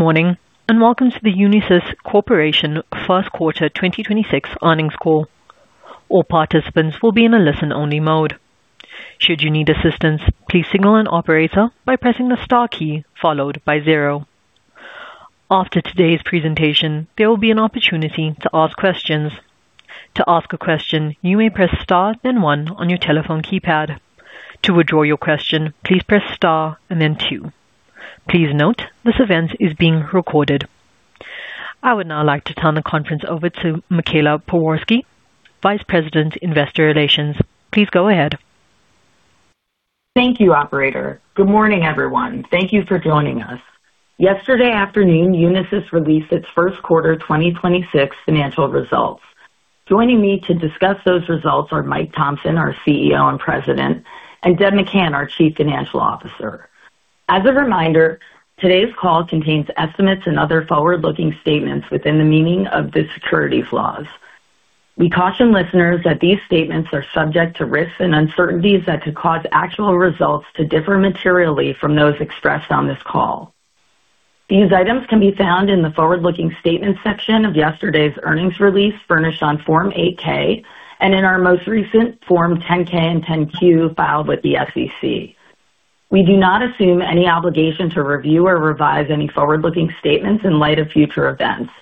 Good morning, welcome to the Unisys Corporation First Quarter 2026 Earnings Call. All participants will be in a listen-only mode. Should you need assistance, please signal an operator by pressing the star key followed by zero. After today's presentation, there will be an opportunity to ask questions. To ask a question, you may press star then one on your telephone keypad. To withdraw your question, please press star and then two. Please note, this event is being recorded. I would now like to turn the conference over to Michaela Pewarski, Vice President, Investor Relations. Please go ahead. Thank you, operator. Good morning, everyone. Thank you for joining us. Yesterday afternoon, Unisys released its first quarter 2026 financial results. Joining me to discuss those results are Mike Thomson, our CEO and President, and Deb McCann, our Chief Financial Officer. As a reminder, today's call contains estimates and other forward-looking statements within the meaning of the securities laws. We caution listeners that these statements are subject to risks and uncertainties that could cause actual results to differ materially from those expressed on this call. These items can be found in the forward-looking statements section of yesterday's earnings release furnished on Form 8-K, and in our most recent Form 10-K and 10-Q filed with the SEC. We do not assume any obligation to review or revise any forward-looking statements in light of future events.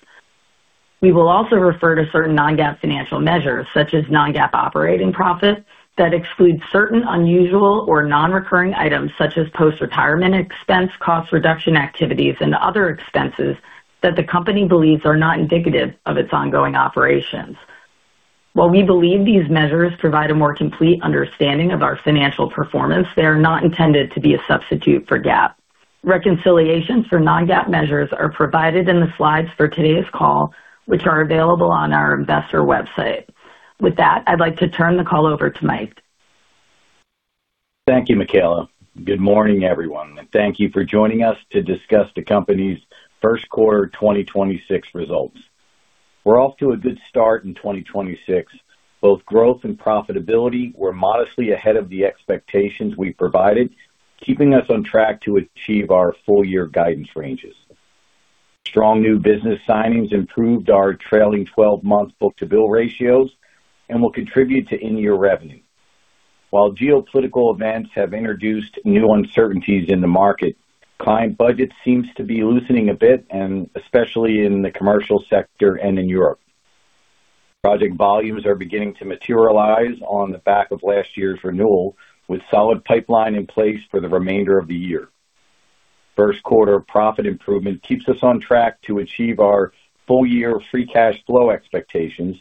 We will also refer to certain non-GAAP financial measures, such as non-GAAP operating profits, that exclude certain unusual or non-recurring items such as post-retirement expense, cost reduction activities, and other expenses that the company believes are not indicative of its ongoing operations. While we believe these measures provide a more complete understanding of our financial performance, they are not intended to be a substitute for GAAP. Reconciliations for non-GAAP measures are provided in the slides for today's call, which are available on our investor website. With that, I'd like to turn the call over to Mike. Thank you, Michaela. Good morning, everyone, and thank you for joining us to discuss the company's first quarter 2026 results. We're off to a good start in 2026. Both growth and profitability were modestly ahead of the expectations we provided, keeping us on track to achieve our full year guidance ranges. Strong new business signings improved our trailing 12-month book-to-bill ratios and will contribute to in-year revenue. While geopolitical events have introduced new uncertainties in the market, client budget seems to be loosening a bit, and especially in the commercial sector and in Europe. Project volumes are beginning to materialize on the back of last year's renewal, with solid pipeline in place for the remainder of the year. First quarter profit improvement keeps us on track to achieve our full year free cash flow expectations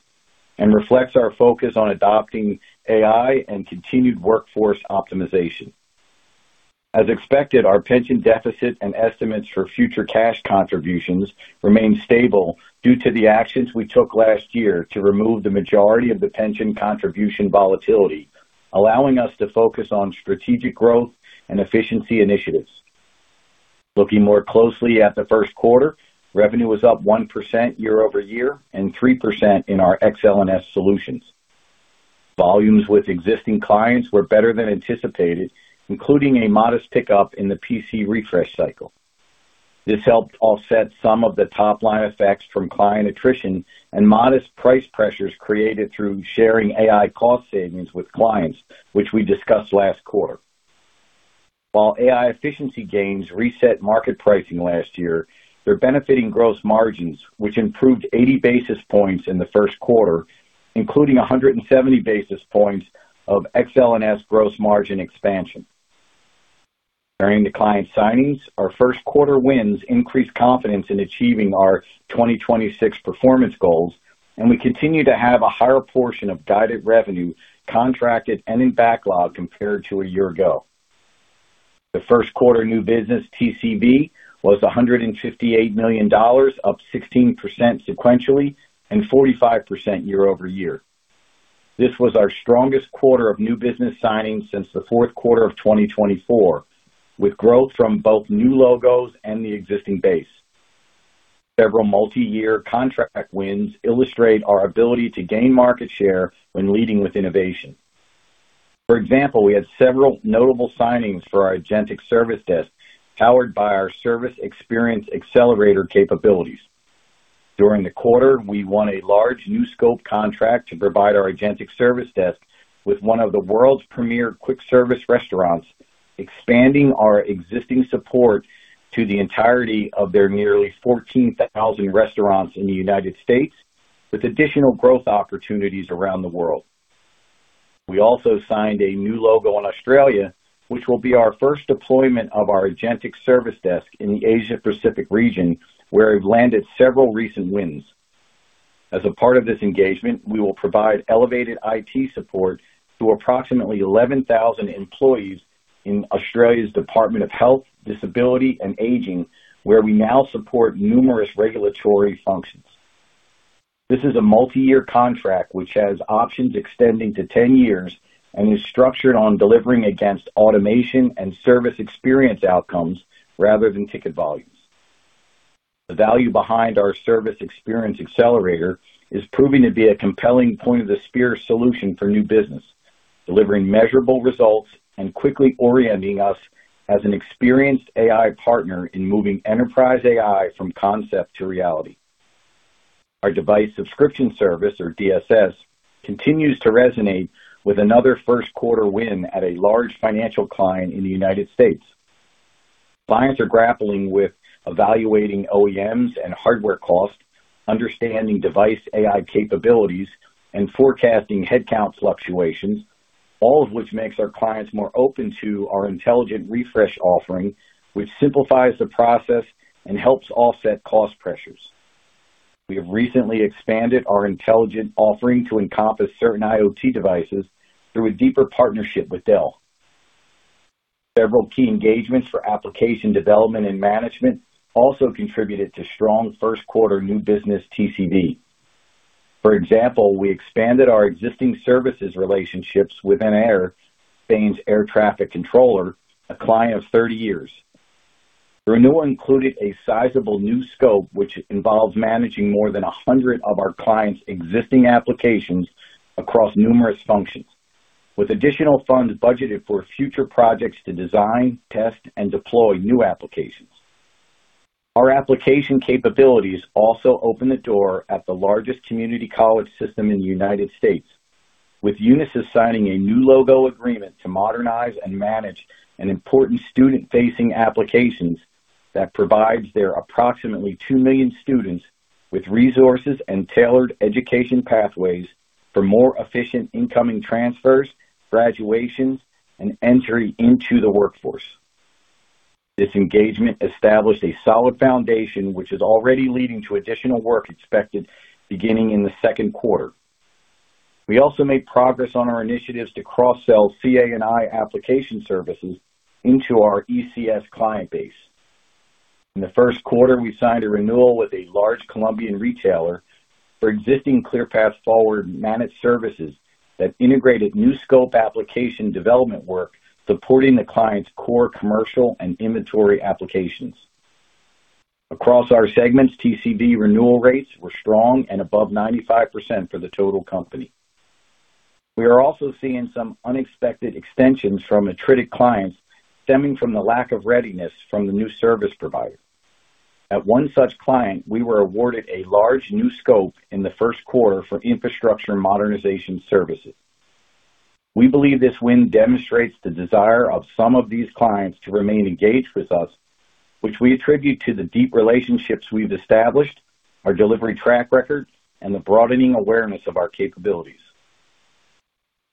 and reflects our focus on adopting AI and continued workforce optimization. As expected, our pension deficit and estimates for future cash contributions remain stable due to the actions we took last year to remove the majority of the pension contribution volatility, allowing us to focus on strategic growth and efficiency initiatives. Looking more closely at the first quarter, revenue was up 1% year-over-year and 3% in our XLNS solutions. Volumes with existing clients were better than anticipated, including a modest pickup in the PC refresh cycle. This helped offset some of the top line effects from client attrition and modest price pressures created through sharing AI cost savings with clients, which we discussed last quarter. While AI efficiency gains reset market pricing last year, they're benefiting gross margins, which improved 80 basis points in the first quarter, including 170 basis points of XLNS gross margin expansion. During the client signings, our first quarter wins increased confidence in achieving our 2026 performance goals, and we continue to have a higher portion of guided revenue contracted and in backlog compared to a year ago. The first quarter new business TCV was $158 million, up 16% sequentially and 45% year-over-year. This was our strongest quarter of new business signings since the fourth quarter of 2024, with growth from both new logos and the existing base. Several multi-year contract wins illustrate our ability to gain market share when leading with innovation. For example, we had several notable signings for our Agentic Service Desk powered by our Service Experience Accelerator capabilities. During the quarter, we won a large new scope contract to provide our Agentic Service Desk with one of the world's premier quick service restaurants, expanding our existing support to the entirety of their nearly 14,000 restaurants in the United States with additional growth opportunities around the world. We also signed a new logo in Australia, which will be our first deployment of our Agentic Service Desk in the Asia Pacific region, where we've landed several recent wins. As a part of this engagement, we will provide elevated IT support to approximately 11,000 employees in Australia's Department of Health, Disability and Ageing, where we now support numerous regulatory functions. This is a multi-year contract which has options extending to 10 years and is structured on delivering against automation and service experience outcomes rather than ticket volumes. The value behind our Service Experience Accelerator is proving to be a compelling point of the spear solution for new business. Delivering measurable results and quickly orienting us as an experienced AI partner in moving enterprise AI from concept to reality. Our Device Subscription Service, or DSS, continues to resonate with another first quarter win at a large financial client in the United States. Clients are grappling with evaluating OEMs and hardware costs, understanding device AI capabilities, and forecasting headcount fluctuations, all of which makes our clients more open to our intelligent refresh offering, which simplifies the process and helps offset cost pressures. We have recently expanded our intelligent offering to encompass certain IoT devices through a deeper partnership with Dell. Several key engagements for application development and management also contributed to strong first quarter new business TCV. For example, we expanded our existing services relationships with ENAIRE, Spain's air traffic controller, a client of 30 years. The renewal included a sizable new scope, which involves managing more than a 100 of our clients' existing applications across numerous functions, with additional funds budgeted for future projects to design, test, and deploy new applications. Our application capabilities also open the door at the largest community college system in the United States, with Unisys signing a new logo agreement to modernize and manage an important student-facing application that provides their approximately 2 million students with resources and tailored education pathways for more efficient incoming transfers, graduations, and entry into the workforce. This engagement established a solid foundation, which is already leading to additional work expected beginning in the second quarter. We also made progress on our initiatives to cross-sell CA&I application services into our ECS client base. In the first quarter, we signed a renewal with a large Colombian retailer for existing ClearPath Forward managed services that integrated new scope application development work supporting the client's core commercial and inventory applications. Across our segments, TCV renewal rates were strong and above 95% for the total company. We are also seeing some unexpected extensions from attrited clients stemming from the lack of readiness from the new service provider. At one such client, we were awarded a large new scope in the first quarter for infrastructure modernization services. We believe this win demonstrates the desire of some of these clients to remain engaged with us, which we attribute to the deep relationships we've established, our delivery track record, and the broadening awareness of our capabilities.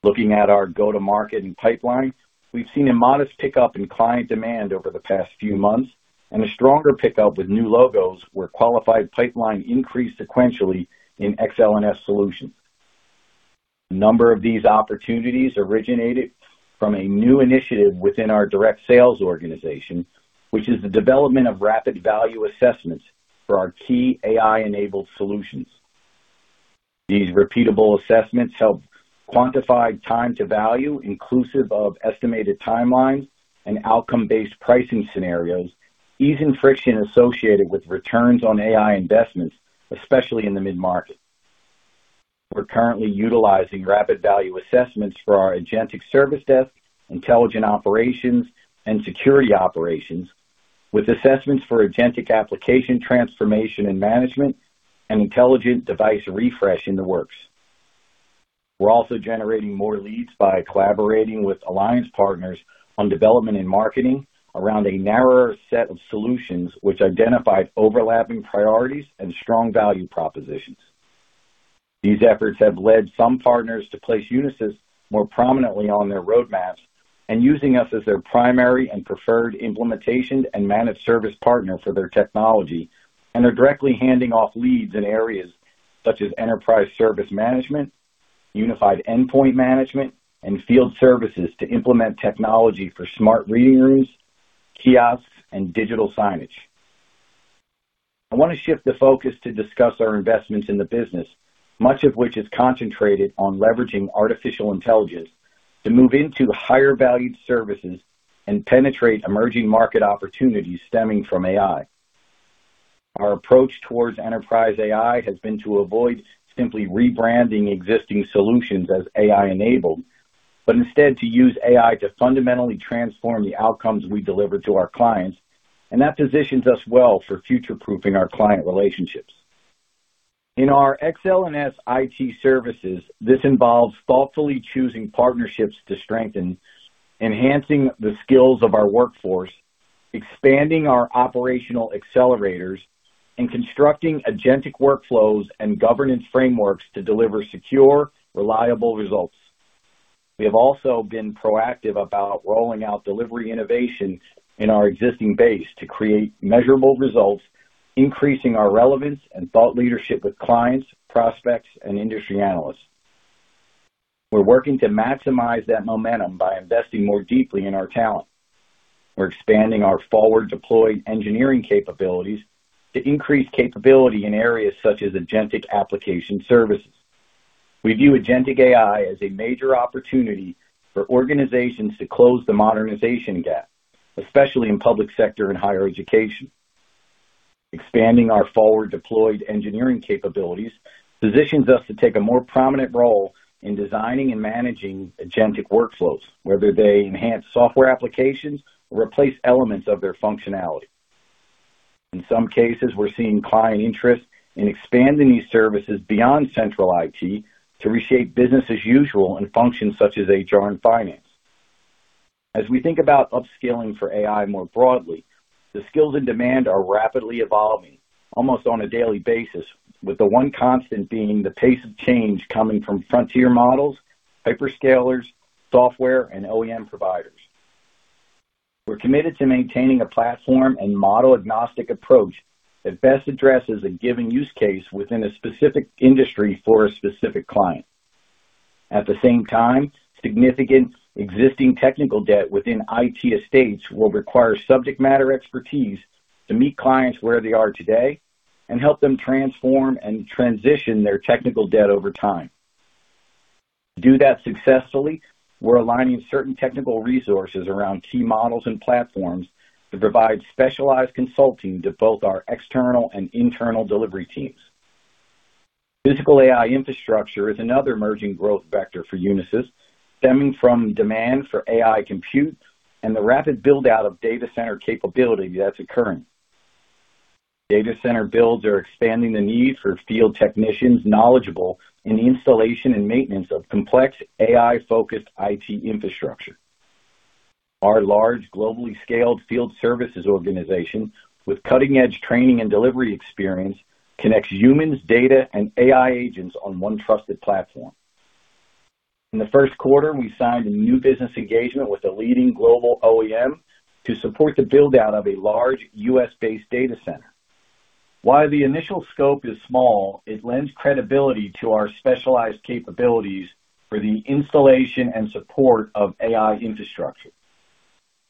Looking at our go-to-market and pipeline, we've seen a modest pickup in client demand over the past few months and a stronger pickup with new logos where qualified pipeline increased sequentially in XLNS solutions. A number of these opportunities originated from a new initiative within our direct sales organization, which is the development of rapid value assessments for our key AI-enabled solutions. These repeatable assessments help quantify time to value inclusive of estimated timelines and outcome-based pricing scenarios, easing friction associated with returns on AI investments, especially in the mid-market. We're currently utilizing rapid value assessments for our Agentic Service Desk, Intelligent Operations, and Security Operations, with assessments for agentic application transformation and management and intelligent device refresh in the works. We're also generating more leads by collaborating with alliance partners on development and marketing around a narrower set of solutions which identify overlapping priorities and strong value propositions. These efforts have led some partners to place Unisys more prominently on their roadmaps and using us as their primary and preferred implementation and managed service partner for their technology, and are directly handing off leads in areas such as enterprise service management, unified endpoint management, and field services to implement technology for smart reading rooms, kiosks, and digital signage. I want to shift the focus to discuss our investments in the business, much of which is concentrated on leveraging artificial intelligence to move into higher-valued services and penetrate emerging market opportunities stemming from AI. Our approach towards enterprise AI has been to avoid simply rebranding existing solutions as AI-enabled, but instead to use AI to fundamentally transform the outcomes we deliver to our clients, and that positions us well for future-proofing our client relationships. In our XLNS IT services, this involves thoughtfully choosing partnerships to strengthen, enhancing the skills of our workforce, expanding our operational accelerators, and constructing agentic workflows and governance frameworks to deliver secure, reliable results. We have also been proactive about rolling out delivery innovation in our existing base to create measurable results, increasing our relevance, and thought leadership with clients, prospects, and industry analysts. We're working to maximize that momentum by investing more deeply in our talent. We're expanding our forward-deployed engineering capabilities to increase capability in areas such as agentic application services. We view agentic AI as a major opportunity for organizations to close the modernization gap, especially in public sector and higher education. Expanding our forward-deployed engineering capabilities positions us to take a more prominent role in designing and managing agentic workflows, whether they enhance software applications or replace elements of their functionality. In some cases, we're seeing client interest in expanding these services beyond central IT to reshape business as usual in functions such as HR and finance. As we think about upskilling for AI more broadly, the skills in demand are rapidly evolving almost on a daily basis, with the one constant being the pace of change coming from frontier models, hyperscalers, software, and OEM providers. We're committed to maintaining a platform and model-agnostic approach that best addresses a given use case within a specific industry for a specific client. At the same time, significant existing technical debt within IT estates will require subject matter expertise to meet clients where they are today and help them transform and transition their technical debt over time. To do that successfully, we're aligning certain technical resources around key models and platforms to provide specialized consulting to both our external and internal delivery teams. Physical AI infrastructure is another emerging growth vector for Unisys, stemming from demand for AI compute and the rapid build-out of data center capability that's occurring. Data center builds are expanding the need for field technicians knowledgeable in the installation and maintenance of complex AI-focused IT infrastructure. Our large, globally scaled field services organization with cutting-edge training and delivery experience connects humans, data, and AI agents on one trusted platform. In the first quarter, we signed a new business engagement with a leading global OEM to support the build-out of a large U.S.-based data center. While the initial scope is small, it lends credibility to our specialized capabilities for the installation and support of AI infrastructure.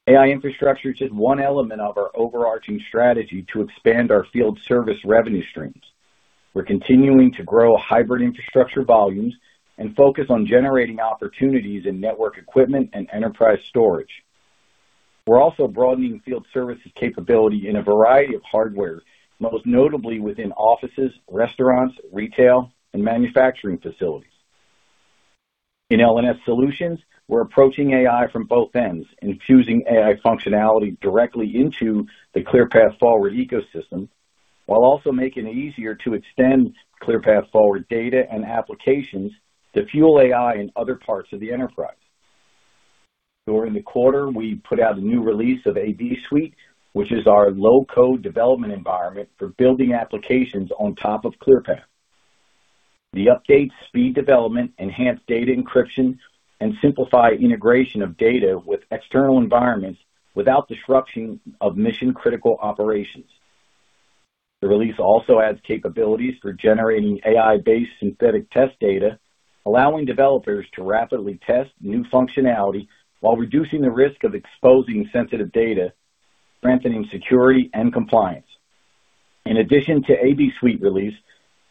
AI infrastructure is just one element of our overarching strategy to expand our field service revenue streams. We're continuing to grow hybrid infrastructure volumes and focus on generating opportunities in network equipment and enterprise storage. We're also broadening field services capability in a variety of hardware, most notably within offices, restaurants, retail, and manufacturing facilities. In L&S solutions, we're approaching AI from both ends, infusing AI functionality directly into the ClearPath Forward ecosystem while also making it easier to extend ClearPath Forward data and applications to fuel AI in other parts of the enterprise. During the quarter, we put out a new release of AB Suite, which is our low-code development environment for building applications on top of ClearPath. The updates speed development, enhance data encryption, and simplify integration of data with external environments without disruption of mission-critical operations. The release also adds capabilities for generating AI-based synthetic test data, allowing developers to rapidly test new functionality while reducing the risk of exposing sensitive data, strengthening security and compliance. In addition to AB Suite release,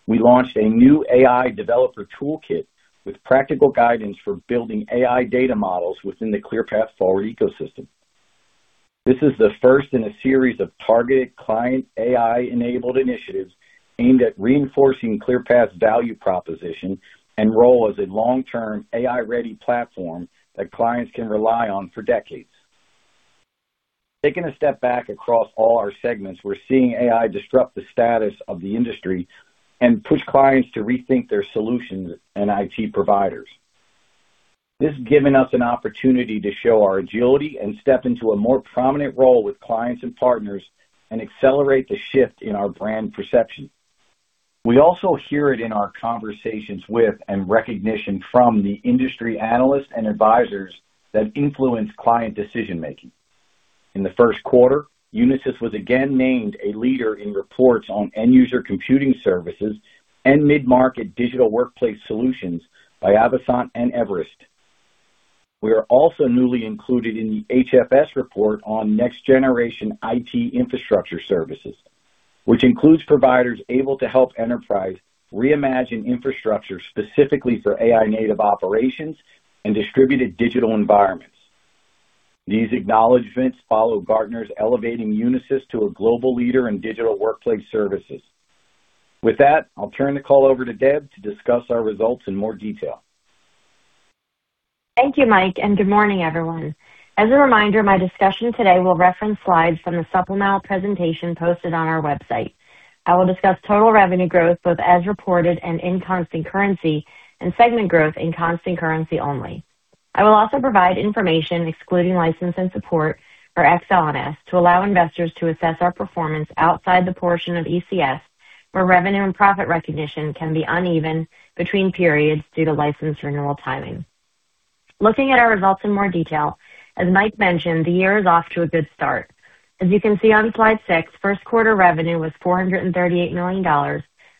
we launched a new AI developer toolkit with practical guidance for building AI data models within the ClearPath Forward ecosystem. This is the first in a series of targeted client AI-enabled initiatives aimed at reinforcing ClearPath's value proposition and role as a long-term AI-ready platform that clients can rely on for decades. Taking a step back across all our segments, we're seeing AI disrupt the status of the industry and push clients to rethink their solutions and IT providers. This has given us an opportunity to show our agility and step into a more prominent role with clients and partners and accelerate the shift in our brand perception. We also hear it in our conversations with and recognition from the industry analysts and advisors that influence client decision-making. In the first quarter, Unisys was again named a leader in reports on end-user computing services and mid-market Digital Workplace Solutions by Avasant and Everest. We are also newly included in the HFS report on next-generation IT infrastructure services, which includes providers able to help enterprise reimagine infrastructure specifically for AI-native operations and distributed digital environments. These acknowledgments follow Gartner's elevating Unisys to a global leader in Digital Workplace Services. With that, I'll turn the call over to Deb to discuss our results in more detail. Thank you, Mike, and good morning, everyone. As a reminder, my discussion today will reference slides from the supplemental presentation posted on our website. I will discuss total revenue growth, both as reported and in constant currency, and segment growth in constant currency only. I will also provide information excluding license and support for XLNS to allow investors to assess our performance outside the portion of ECS, where revenue and profit recognition can be uneven between periods due to license renewal timing. Looking at our results in more detail, as Mike mentioned, the year is off to a good start. As you can see on slide six, first quarter revenue was $438 million,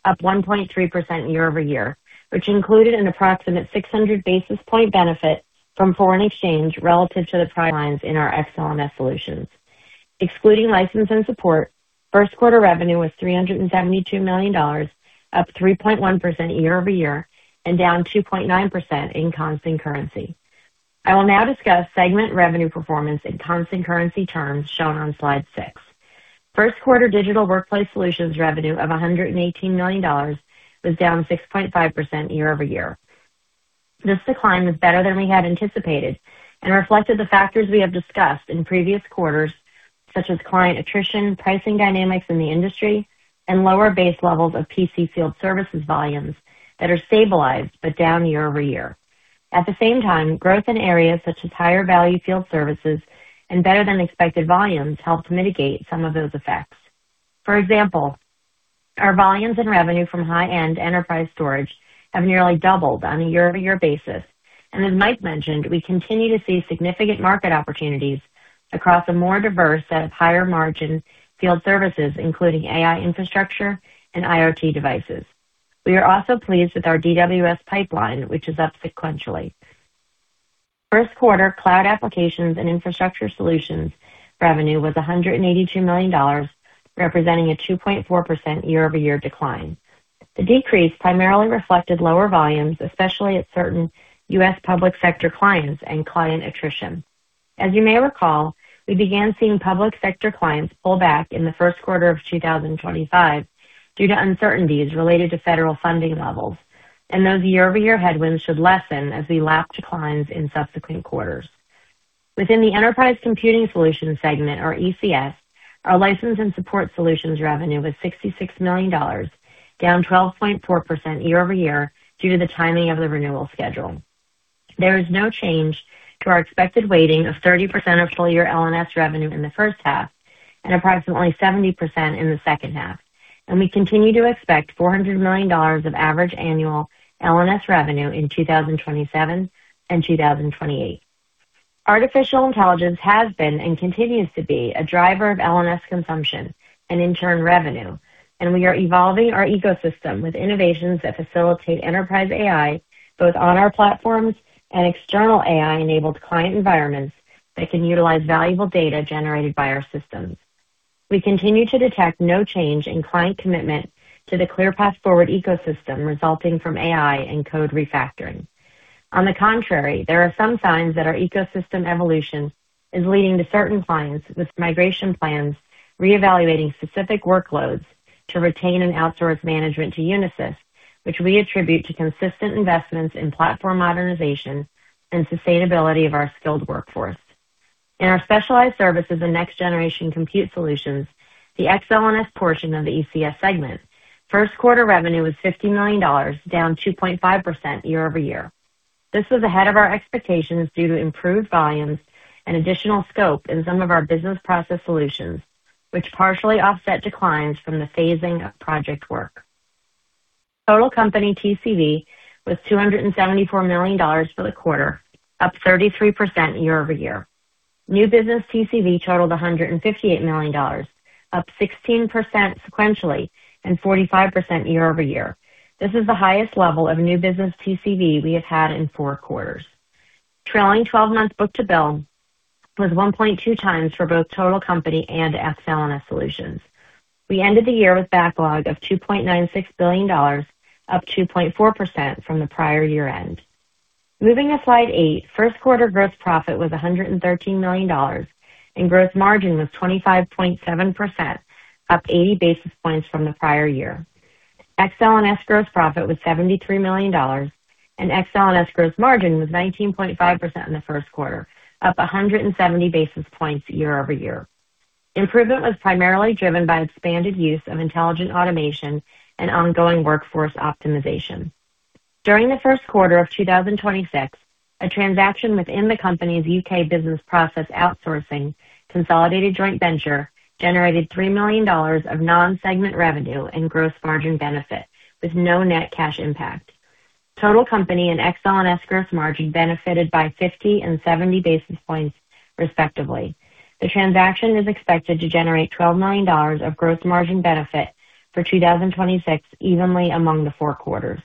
up 1.3% year-over-year, which included an approximate 600 basis point benefit from foreign exchange relative to the price lines in our XLNS solutions. Excluding license and support, first quarter revenue was $372 million, up 3.1% year-over-year and down 2.9% in constant currency. I will now discuss segment revenue performance in constant currency terms shown on slide six. First quarter Digital Workplace Solutions revenue of $118 million was down 6.5% year-over-year. This decline was better than we had anticipated and reflected the factors we have discussed in previous quarters, such as client attrition, pricing dynamics in the industry, and lower base levels of PC field services volumes that are stabilized but down year-over-year. At the same time, growth in areas such as higher value field services and better than expected volumes helped mitigate some of those effects. For example, our volumes and revenue from high-end enterprise storage have nearly doubled on a year-over-year basis. As Mike mentioned, we continue to see significant market opportunities across a more diverse set of higher margin field services, including AI infrastructure and IoT devices. We are also pleased with our DWS pipeline, which is up sequentially. First quarter Cloud, Applications & Infrastructure Solutions revenue was $182 million, representing a 2.4% year-over-year decline. The decrease primarily reflected lower volumes, especially at certain U.S. public sector clients and client attrition. As you may recall, we began seeing public sector clients pull back in the first quarter of 2025 due to uncertainties related to federal funding levels, and those year-over-year headwinds should lessen as we lap declines in subsequent quarters. Within the Enterprise Computing Solutions segment or ECS, our license and support solutions revenue was $66 million, down 12.4% year-over-year due to the timing of the renewal schedule. There is no change to our expected weighting of 30% of full year L&S revenue in the first half and approximately 70% in the second half. We continue to expect $400 million of average annual L&S revenue in 2027 and 2028. Artificial intelligence has been and continues to be a driver of L&S consumption and in turn revenue. We are evolving our ecosystem with innovations that facilitate enterprise AI, both on our platforms and external AI-enabled client environments that can utilize valuable data generated by our systems. We continue to detect no change in client commitment to the ClearPath Forward ecosystem resulting from AI and code refactoring. On the contrary, there are some signs that our ecosystem evolution is leading to certain clients with migration plans, reevaluating specific workloads to retain and outsource management to Unisys, which we attribute to consistent investments in platform modernization and sustainability of our skilled workforce. In our specialized services and next generation compute solutions, the XLNS portion of the ECS segment, first quarter revenue was $50 million, down 2.5% year-over-year. This was ahead of our expectations due to improved volumes and additional scope in some of our business process solutions, which partially offset declines from the phasing of project work. Total company TCV was $274 million for the quarter, up 33% year-over-year. New business TCV totaled $158 million, up 16% sequentially and 45% year-over-year. This is the highest level of new business TCV we have had in four quarters. Trailing 12-month book-to-bill was 1.2x for both total company and XLNS solutions. We ended the year with backlog of $2.96 billion, up 2.4% from the prior year end. Moving to slide eight. First quarter gross profit was $113 million, and gross margin was 25.7%, up 80 basis points from the prior year. XLNS gross profit was $73 million, and XLNS gross margin was 19.5% in the first quarter, up 170 basis points year-over-year. Improvement was primarily driven by expanded use of intelligent automation and ongoing workforce optimization. During the first quarter of 2026, a transaction within the company's U.K. business process outsourcing consolidated joint venture generated $3 million of non-segment revenue and gross margin benefit with no net cash impact. Total company and XLNS gross margin benefited by 50 basis points and 70 basis points respectively. The transaction is expected to generate $12 million of gross margin benefit for 2026 evenly among the four quarters.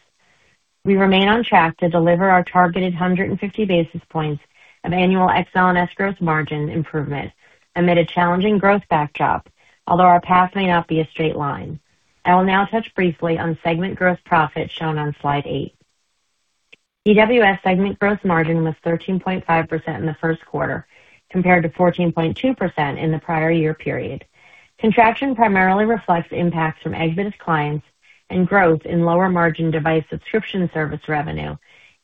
We remain on track to deliver our targeted 150 basis points of annual XLNS gross margin improvement amid a challenging growth backdrop, although our path may not be a straight line. I will now touch briefly on segment gross profit shown on slide eight. DWS segment gross margin was 13.5% in the first quarter compared to 14.2% in the prior year period. Contraction primarily reflects impacts from exited clients and growth in lower margin Device Subscription Service revenue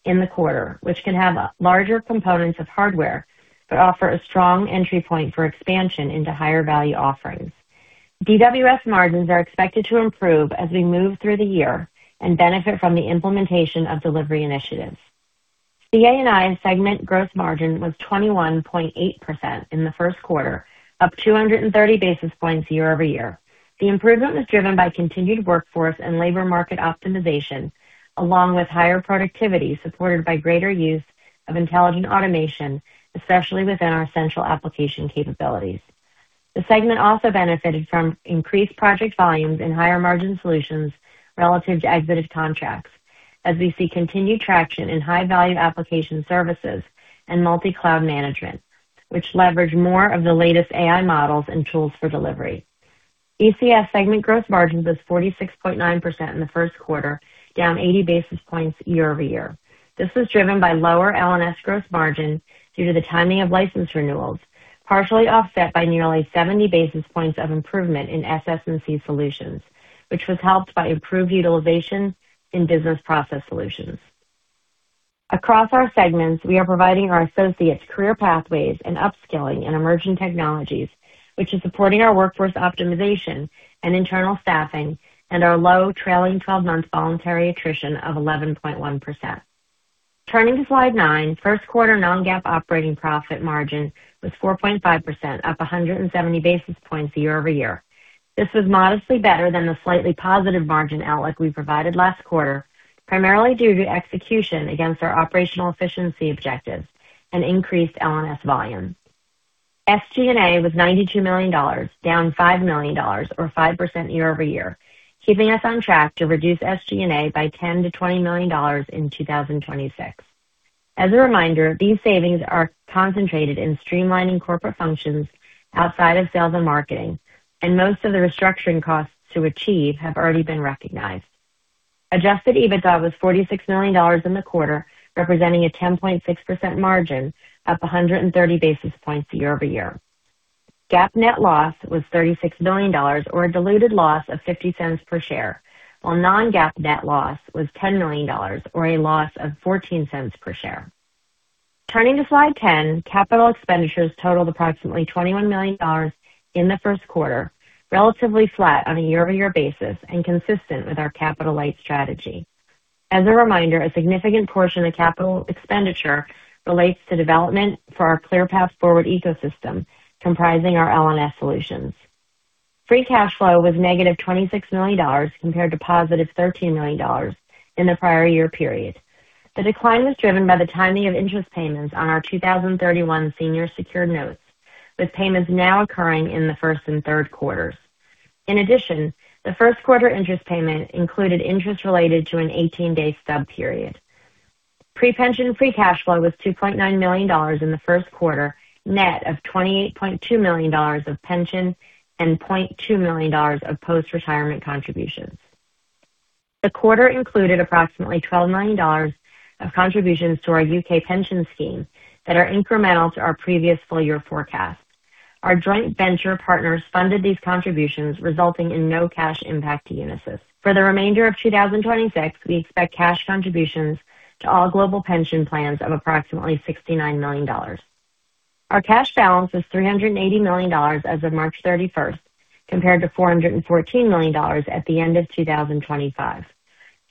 in the quarter, which can have larger components of hardware, but offer a strong entry point for expansion into higher value offerings. DWS margins are expected to improve as we move through the year and benefit from the implementation of delivery initiatives. CA&I segment gross margin was 21.8% in the first quarter, up 230 basis points year-over-year. The improvement was driven by continued workforce and labor market optimization, along with higher productivity supported by greater use of intelligent automation, especially within our essential application capabilities. The segment also benefited from increased project volumes and higher margin solutions relative to exited contracts as we see continued traction in high value application services and multi-cloud management, which leverage more of the latest AI models and tools for delivery. ECS segment gross margins was 46.9% in the first quarter, down 80 basis points year-over-year. This was driven by lower L&S gross margin due to the timing of license renewals, partially offset by nearly 70 basis points of improvement in SS&C solutions, which was helped by improved utilization in business process solutions. Across our segments, we are providing our associates career pathways and upskilling in emerging technologies, which is supporting our workforce optimization and internal staffing and our low trailing 12-month voluntary attrition of 11.1%. Turning to slide nine. First quarter non-GAAP operating profit margin was 4.5%, up 170 basis points year-over-year. This was modestly better than the slightly positive margin outlook we provided last quarter, primarily due to execution against our operational efficiency objectives and increased L&S volumes. SG&A was $92 million, down $5 million or 5% year-over-year, keeping us on track to reduce SG&A by $10 million-$20 million in 2026. As a reminder, these savings are concentrated in streamlining corporate functions outside of sales and marketing, and most of the restructuring costs to achieve have already been recognized. Adjusted EBITDA was $46 million in the quarter, representing a 10.6% margin, up 130 basis points year-over-year. GAAP net loss was $36 million or a diluted loss of $0.50 per share, while non-GAAP net loss was $10 million or a loss of $0.14 per share. Turning to slide 10. Capital expenditures totaled approximately $21 million in the first quarter, relatively flat on a year-over-year basis and consistent with our capital-light strategy. As a reminder, a significant portion of capital expenditure relates to development for our ClearPath Forward ecosystem comprising our L&S solutions. Free cash flow was -$26 million compared to +$13 million in the prior year period. The decline was driven by the timing of interest payments on our 2031 senior secured notes, with payments now occurring in the first and third quarters. In addition, the first quarter interest payment included interest related to an 18-day stub period. Pre-pension free cash flow was $2.9 million in the first quarter, net of $28.2 million of pension and $0.2 million of post-retirement contributions. The quarter included approximately $12 million of contributions to our U.K. pension scheme that are incremental to our previous full-year forecast. Our joint venture partners funded these contributions, resulting in no cash impact to Unisys. For the remainder of 2026, we expect cash contributions to all global pension plans of approximately $69 million. Our cash balance was $380 million as of March 31st, compared to $414 million at the end of 2025.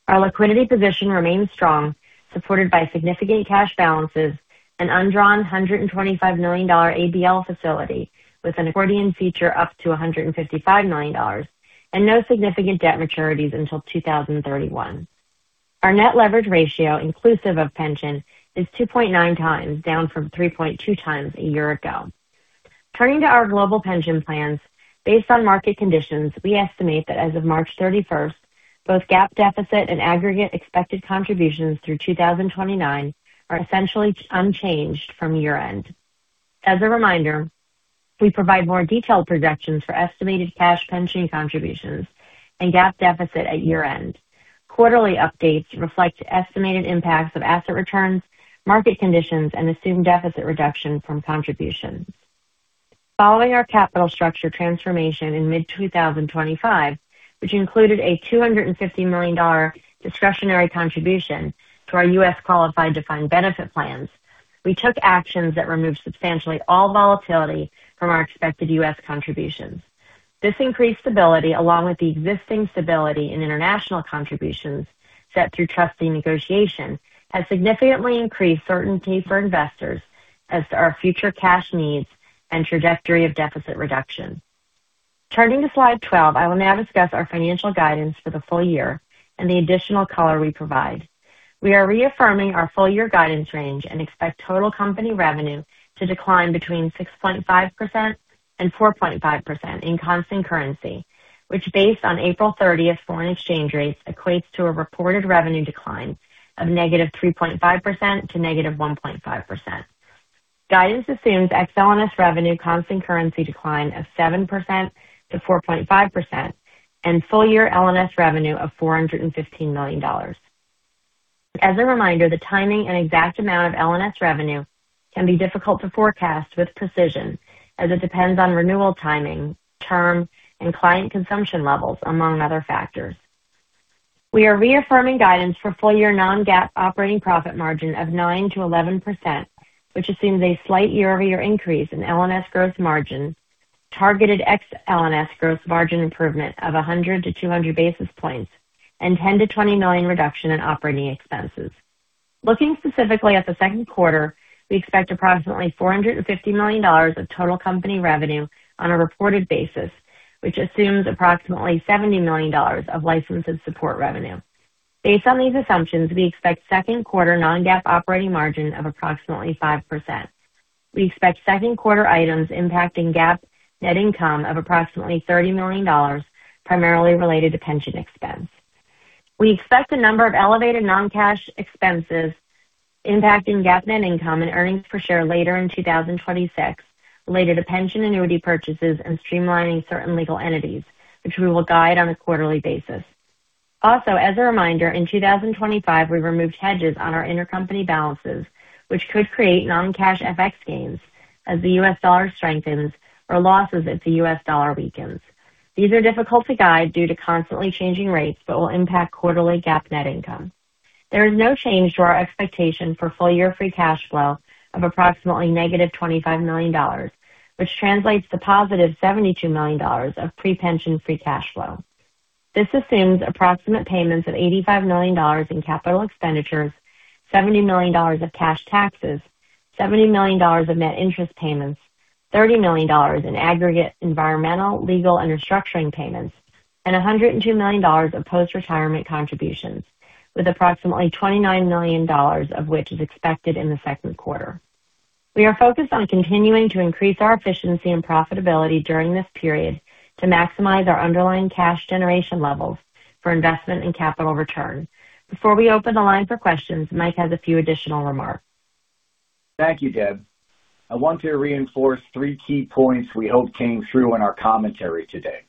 Our liquidity position remains strong, supported by significant cash balances, an undrawn $125 million ABL facility with an accordion feature up to $155 million, and no significant debt maturities until 2031. Our net leverage ratio, inclusive of pension, is 2.9x down from 3.2x a year ago. Turning to our global pension plans. Based on market conditions, we estimate that as of March 31st, both GAAP deficit and aggregate expected contributions through 2029 are essentially unchanged from year-end. As a reminder, we provide more detailed projections for estimated cash pension contributions and GAAP deficit at year-end. Quarterly updates reflect estimated impacts of asset returns, market conditions, and assumed deficit reduction from contributions. Following our capital structure transformation in mid-2025, which included a $250 million discretionary contribution to our U.S. qualified defined benefit plans, we took actions that removed substantially all volatility from our expected U.S. contributions. This increased stability, along with the existing stability in international contributions set through trustee negotiation, has significantly increased certainty for investors as to our future cash needs and trajectory of deficit reduction. Turning to slide 12, I will now discuss our financial guidance for the full year and the additional color we provide. We are reaffirming our full year guidance range and expect total company revenue to decline between 6.5% and 4.5% in constant currency, which based on April 30th foreign exchange rates, equates to a reported revenue decline of -3.5% to -1.5%. Guidance assumes XLNS revenue constant currency decline of 7%-4.5% and full year L&S revenue of $415 million. As a reminder, the timing and exact amount of L&S revenue can be difficult to forecast with precision as it depends on renewal timing, term, and client consumption levels, among other factors. We are reaffirming guidance for full year non-GAAP operating profit margin of 9%-11%, which assumes a slight year-over-year increase in L&S gross margin, targeted XLNS gross margin improvement of 100 basis points-200 basis points, and $10 million-$20 million reduction in operating expenses. Looking specifically at the second quarter, we expect approximately $450 million of total company revenue on a reported basis, which assumes approximately $70 million of license and support revenue. Based on these assumptions, we expect second quarter non-GAAP operating margin of approximately 5%. We expect second quarter items impacting GAAP net income of approximately $30 million, primarily related to pension expense. We expect a number of elevated non-cash expenses impacting GAAP net income and earnings per share later in 2026 related to pension annuity purchases and streamlining certain legal entities, which we will guide on a quarterly basis. As a reminder, in 2025, we removed hedges on our intercompany balances, which could create non-cash FX gains as the U.S. dollar strengthens or losses if the U.S. dollar weakens. These are difficult to guide due to constantly changing rates but will impact quarterly GAAP net income. There is no change to our expectation for full-year free cash flow of approximately -$25 million, which translates to +$72 million of pre-pension free cash flow. This assumes approximate payments of $85 million in capital expenditures, $70 million of cash taxes, $70 million of net interest payments, $30 million in aggregate environmental, legal, and restructuring payments, and $102 million of post-retirement contributions, with approximately $29 million of which is expected in the second quarter. We are focused on continuing to increase our efficiency and profitability during this period to maximize our underlying cash generation levels for investment and capital return. Before we open the line for questions, Mike has a few additional remarks. Thank you, Deb. I want to reinforce three key points we hope came through in our commentary today.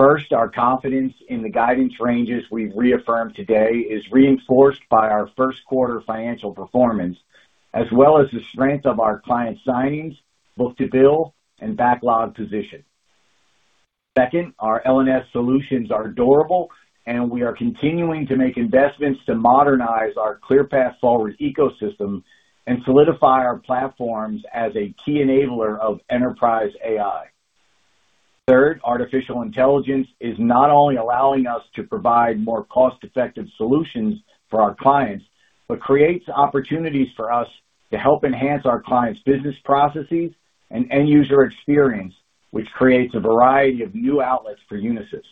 First, our confidence in the guidance ranges we've reaffirmed today is reinforced by our first quarter financial performance, as well as the strength of our client signings, book-to-bill, and backlog position. Second, our L&S solutions are durable, and we are continuing to make investments to modernize our ClearPath Forward ecosystem and solidify our platforms as a key enabler of enterprise AI. Third, artificial intelligence is not only allowing us to provide more cost-effective solutions for our clients, but creates opportunities for us to help enhance our clients' business processes and end user experience, which creates a variety of new outlets for Unisys.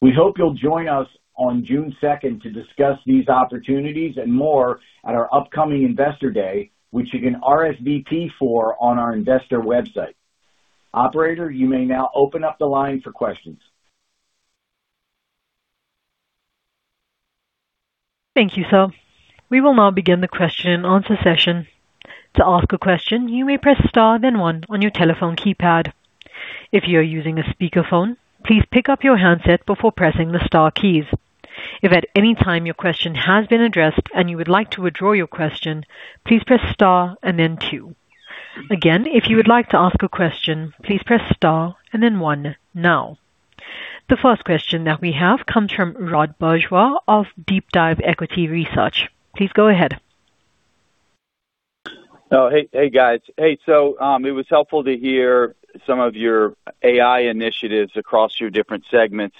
We hope you'll join us on June 2nd to discuss these opportunities and more at our upcoming Investor Day, which you can RSVP for on our investor website. Operator, you may now open up the line for questions. Thank you, sir. We will now begin the question and answer session. To ask a question, you may press star then one on your telephone keypad. If you're using a speakerphone, please pick up your handset before pressing the star keys. If at anytime your question has been addressed and you would like to withdraw your question, please press star and then two. Again, if you would like to ask a question, please press star and then one now. The first question that we have comes from Rod Bourgeois of DeepDive Equity Research. Please go ahead. Hey, hey, guys. It was helpful to hear some of your AI initiatives across your different segments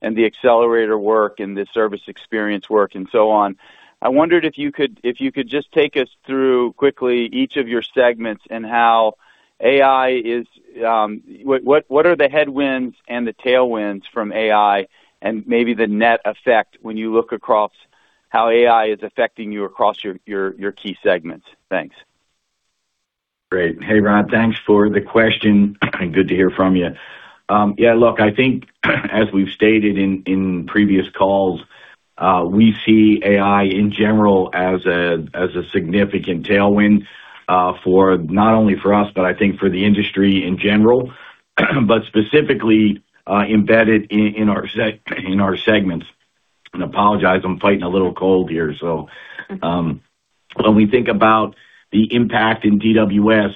and the accelerator work and the service experience work and so on. I wondered if you could just take us through quickly each of your segments and how AI is, what are the headwinds and the tailwinds from AI and maybe the net effect when you look across how AI is affecting you across your key segments? Thanks. Great. Hey, Rod. Thanks for the question. Good to hear from you. Yeah, look, I think as we've stated in previous calls, we see AI in general as a significant tailwind for not only for us, but I think for the industry in general, but specifically, embedded in our segments. Apologize, I'm fighting a little cold here. When we think about the impact in DWS,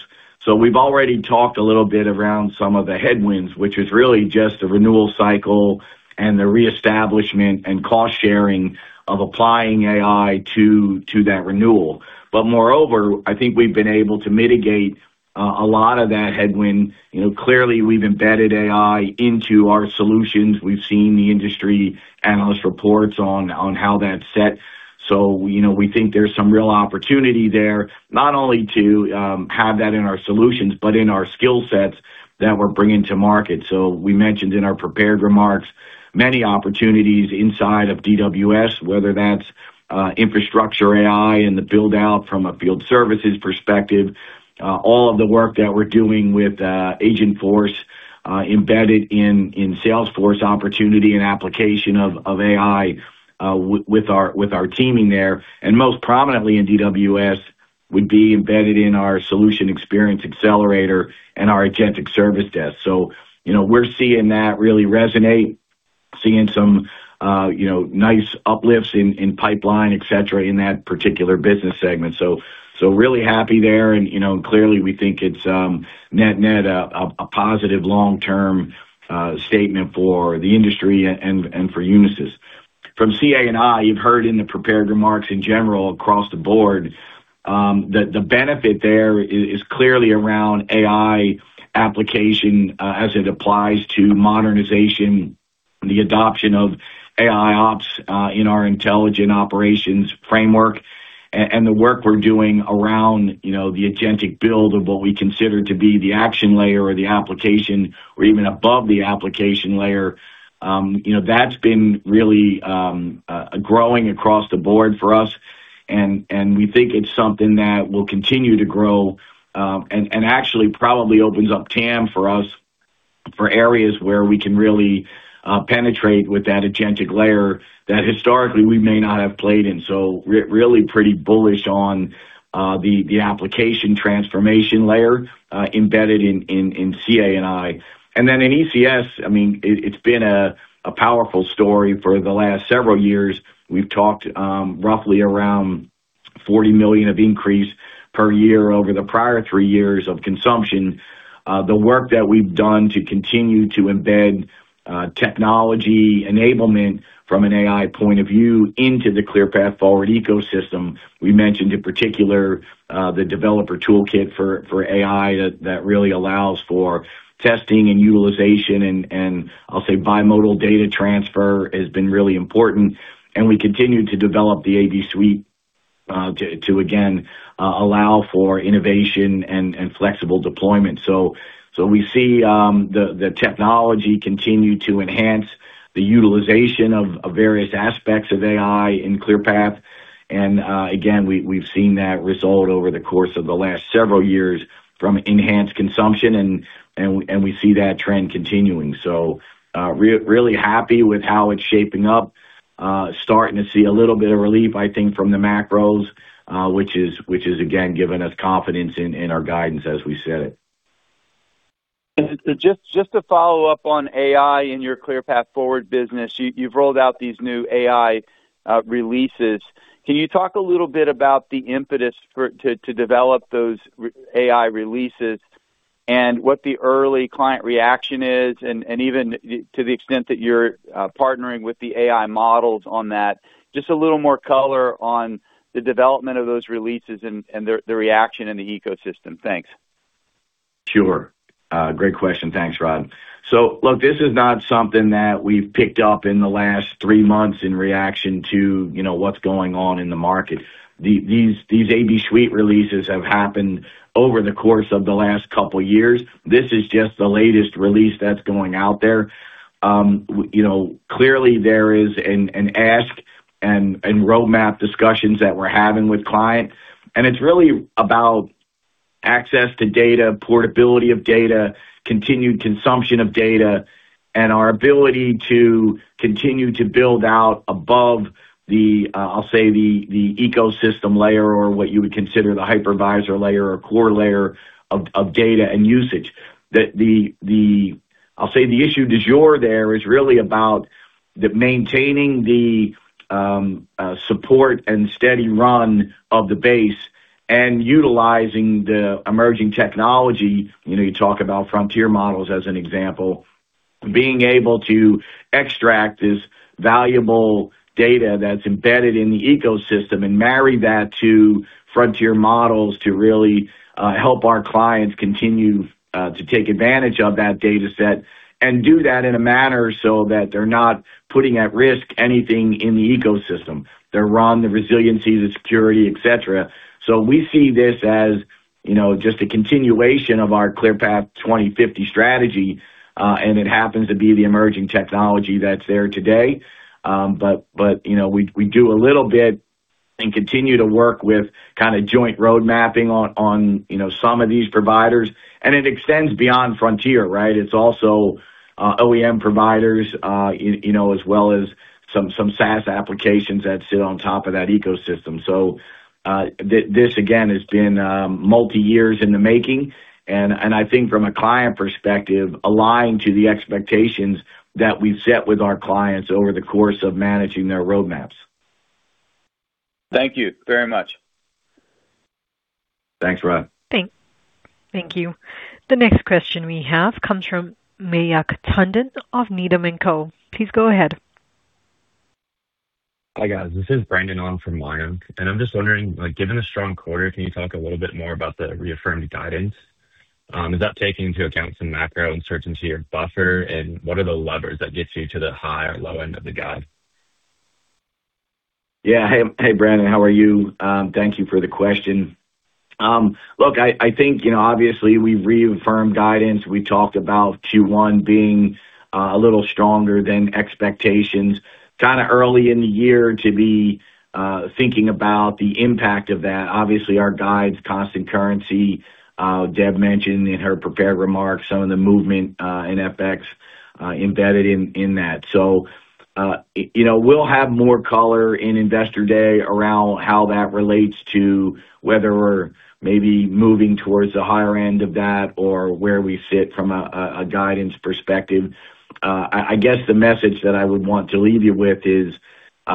we've already talked a little bit around some of the headwinds, which is really just the renewal cycle and the reestablishment and cost-sharing of applying AI to that renewal. Moreover, I think we've been able to mitigate a lot of that headwind. You know, clearly, we've embedded AI into our solutions. We've seen the industry analyst reports on how that's set. You know, we think there's some real opportunity there, not only to have that in our solutions, but in our skill sets that we're bringing to market. We mentioned in our prepared remarks many opportunities inside of DWS, whether that's infrastructure AI and the build-out from a field services perspective, all of the work that we're doing with Agentforce embedded in Salesforce opportunity and application of AI with our teaming there, and most prominently in DWS would be embedded in our Solution Experience Accelerator and our Agentic Service Desk. You know, we're seeing that really resonate, seeing some, you know, nice uplifts in pipeline, et cetera, in that particular business segment. Really happy there. You know, clearly we think it's net-net a positive long-term statement for the industry and for Unisys. From CA&I, you've heard in the prepared remarks in general across the board that the benefit there is clearly around AI application as it applies to modernization, the adoption of AIOps in our Intelligent Operations framework, and the work we're doing around, you know, the Agentic build of what we consider to be the action layer or the application or even above the application layer. You know, that's been really growing across the board for us. We think it's something that will continue to grow and actually probably opens up TAM for us for areas where we can really penetrate with that Agentic layer that historically we may not have played in. Really pretty bullish on the application transformation layer embedded in CA&I. In ECS, I mean, it's been a powerful story for the last several years. We've talked, roughly around $40 million of increase per year over the prior three years of consumption. The work that we've done to continue to embed technology enablement from an AI point of view into the ClearPath Forward ecosystem. We mentioned in particular, the developer toolkit for AI that really allows for testing and utilization and I'll say bimodal data transfer has been really important. We continue to develop the AB suite to again allow for innovation and flexible deployment. We see the technology continue to enhance the utilization of various aspects of AI in ClearPath. Again, we've seen that result over the course of the last several years from enhanced consumption, and we see that trend continuing. Really happy with how it's shaping up. Starting to see a little bit of relief, I think, from the macros, which is again, giving us confidence in our guidance as we said it. Just to follow up on AI in your ClearPath Forward business. You've rolled out these new AI releases. Can you talk a little bit about the impetus for to develop those AI releases and what the early client reaction is, and even to the extent that you're partnering with the AI models on that? Just a little more color on the development of those releases and their, the reaction in the ecosystem. Thanks. Sure. Great question. Thanks, Rod. Look, this is not something that we've picked up in the last three months in reaction to, you know, what's going on in the market. These AB Suite releases have happened over the course of the last couple years. This is just the latest release that's going out there. You know, clearly there is an ask and roadmap discussions that we're having with clients, and it's really about access to data, portability of data, continued consumption of data, and our ability to continue to build out above the, I'll say the ecosystem layer or what you would consider the hypervisor layer or core layer of data and usage. The I'll say the issue du jour there is really about the maintaining the support and steady run of the base and utilizing the emerging technology. You know, you talk about frontier models as an example. Being able to extract this valuable data that's embedded in the ecosystem and marry that to frontier models to really help our clients continue to take advantage of that data set and do that in a manner so that they're not putting at risk anything in the ecosystem. Their run, their resiliency, their security, et cetera. We see this as, you know, just a continuation of our ClearPath 2050 strategy, and it happens to be the emerging technology that's there today. But you know, we do a little bit and continue to work with kind of joint road mapping on, you know, some of these providers. It extends beyond Frontier, right? It's also OEM providers, you know, as well as some SaaS applications that sit on top of that ecosystem. This again, has been multi years in the making and I think from a client perspective, aligned to the expectations that we've set with our clients over the course of managing their roadmaps. Thank you very much. Thanks, Rod. Thank you. The next question we have comes from Mayank Tandon of Needham & Co. Please go ahead. Hi, guys. This is Brandon on for Mayank, and I'm just wondering, like, given the strong quarter, can you talk a little bit more about the reaffirmed guidance? Is that taking into account some macro uncertainty or buffer, and what are the levers that gets you to the high or low end of the guide? Yeah. Hey, hey, Brandon, how are you? Thank you for the question. Look, I think, you know, obviously we reaffirmed guidance. We talked about Q1 being a little stronger than expectations. Kinda early in the year to be thinking about the impact of that. Obviously, our guides, constant currency, Deb mentioned in her prepared remarks some of the movement in FX embedded in that. You know, we'll have more color in Investor Day around how that relates to whether we're maybe moving towards the higher end of that or where we sit from a guidance perspective. I guess the message that I would want to leave you with is,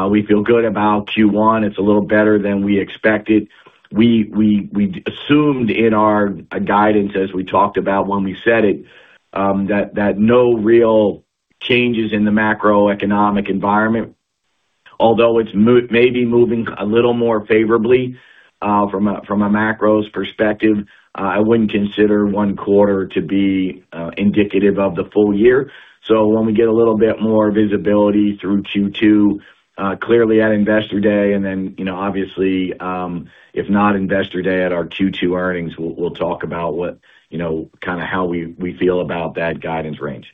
we feel good about Q1. It's a little better than we expected. We assumed in our guidance, as we talked about when we said it, that no real changes in the macroeconomic environment, although it's maybe moving a little more favorably, from a macros perspective. I wouldn't consider one quarter to be indicative of the full year. When we get a little bit more visibility through Q2, clearly at Investor Day, and then, you know, obviously, if not Investor Day, at our Q2 earnings, we'll talk about what, you know, kinda how we feel about that guidance range.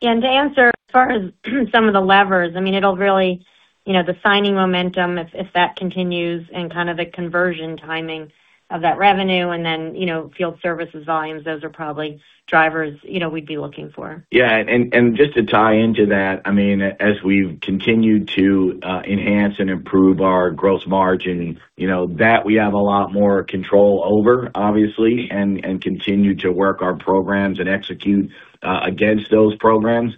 Yeah. To answer as far as some of the levers, I mean, it'll really You know, the signing momentum, if that continues and kind of the conversion timing of that revenue and then, you know, field services volumes, those are probably drivers, you know, we'd be looking for. Just to tie into that, I mean, as we've continued to enhance and improve our gross margin, you know, that we have a lot more control over obviously, and continue to work our programs and execute against those programs.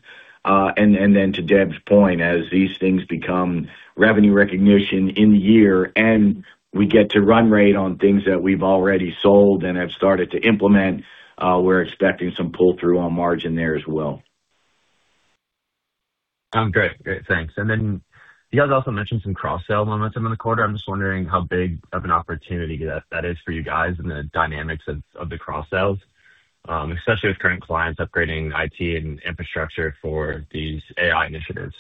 Then to Deb's point, as these things become revenue recognition in the year, and we get to run rate on things that we've already sold and have started to implement, we're expecting some pull-through on margin there as well. Great. Great. Thanks. You guys also mentioned some cross-sell momentum in the quarter. I'm just wondering how big of an opportunity that is for you guys and the dynamics of the cross-sells, especially with current clients upgrading IT and infrastructure for these AI initiatives?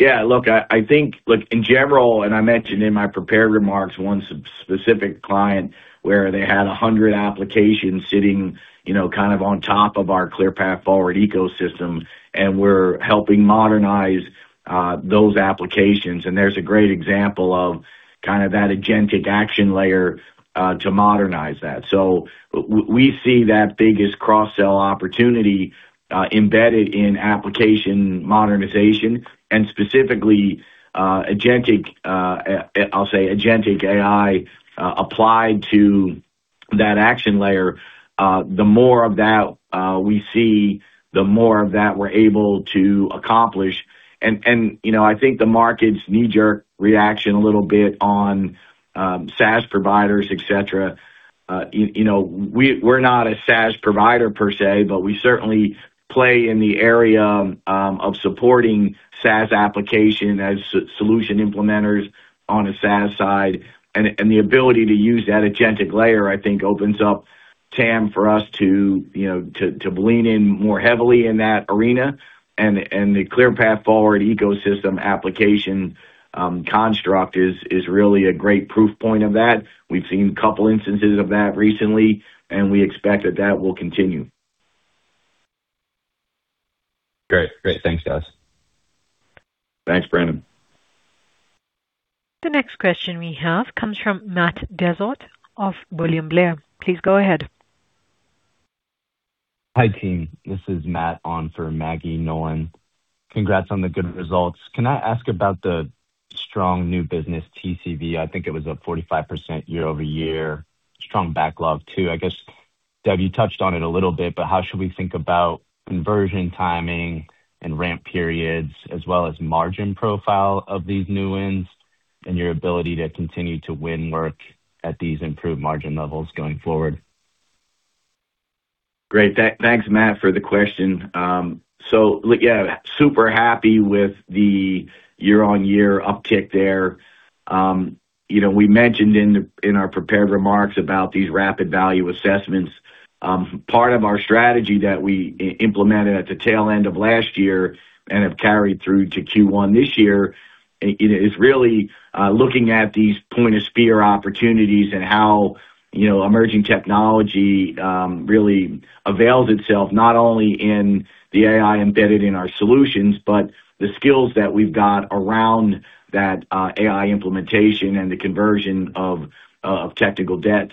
Yeah. Look, I think, look, in general, I mentioned in my prepared remarks one specific client where they had 100 applications sitting, you know, kind of on top of our ClearPath Forward ecosystem, and we're helping modernize those applications. There's a great example of kind of that agentic action layer to modernize that. We see that biggest cross-sell opportunity embedded in application modernization and specifically agentic, I'll say agentic AI, applied to that action layer. The more of that we see, the more of that we're able to accomplish. You know, I think the market's knee-jerk reaction a little bit on SaaS providers, et cetera, you know, we're not a SaaS provider per se, but we certainly play in the area of supporting SaaS application as solution implementers on the SaaS side. The ability to use that agentic layer, I think opens up TAM for us to, you know, to lean in more heavily in that arena. The ClearPath Forward ecosystem application construct is really a great proof point of that. We've seen a couple instances of that recently, and we expect that that will continue. Great. Great. Thanks, guys. Thanks, Brandon. The next question we have comes from Matt Dezort of William Blair. Please go ahead. Hi, team. This is Matt on for Maggie Nolan. Congrats on the good results. Can I ask about the strong new business TCV? I think it was up 45% year-over-year. Strong backlog too. I guess, Deb, you touched on it a little bit, but how should we think about conversion timing and ramp periods as well as margin profile of these new wins and your ability to continue to win work at these improved margin levels going forward? Great. Thanks, Matt, for the question. Yeah, super happy with the year-on-year uptick there. You know, we mentioned in our prepared remarks about these rapid value assessments. Part of our strategy that we implemented at the tail end of last year and have carried through to Q1 this year is really looking at these point of spear opportunities and how, you know, emerging technology really avails itself not only in the AI embedded in our solutions, but the skills that we've got around that AI implementation and the conversion of technical debt.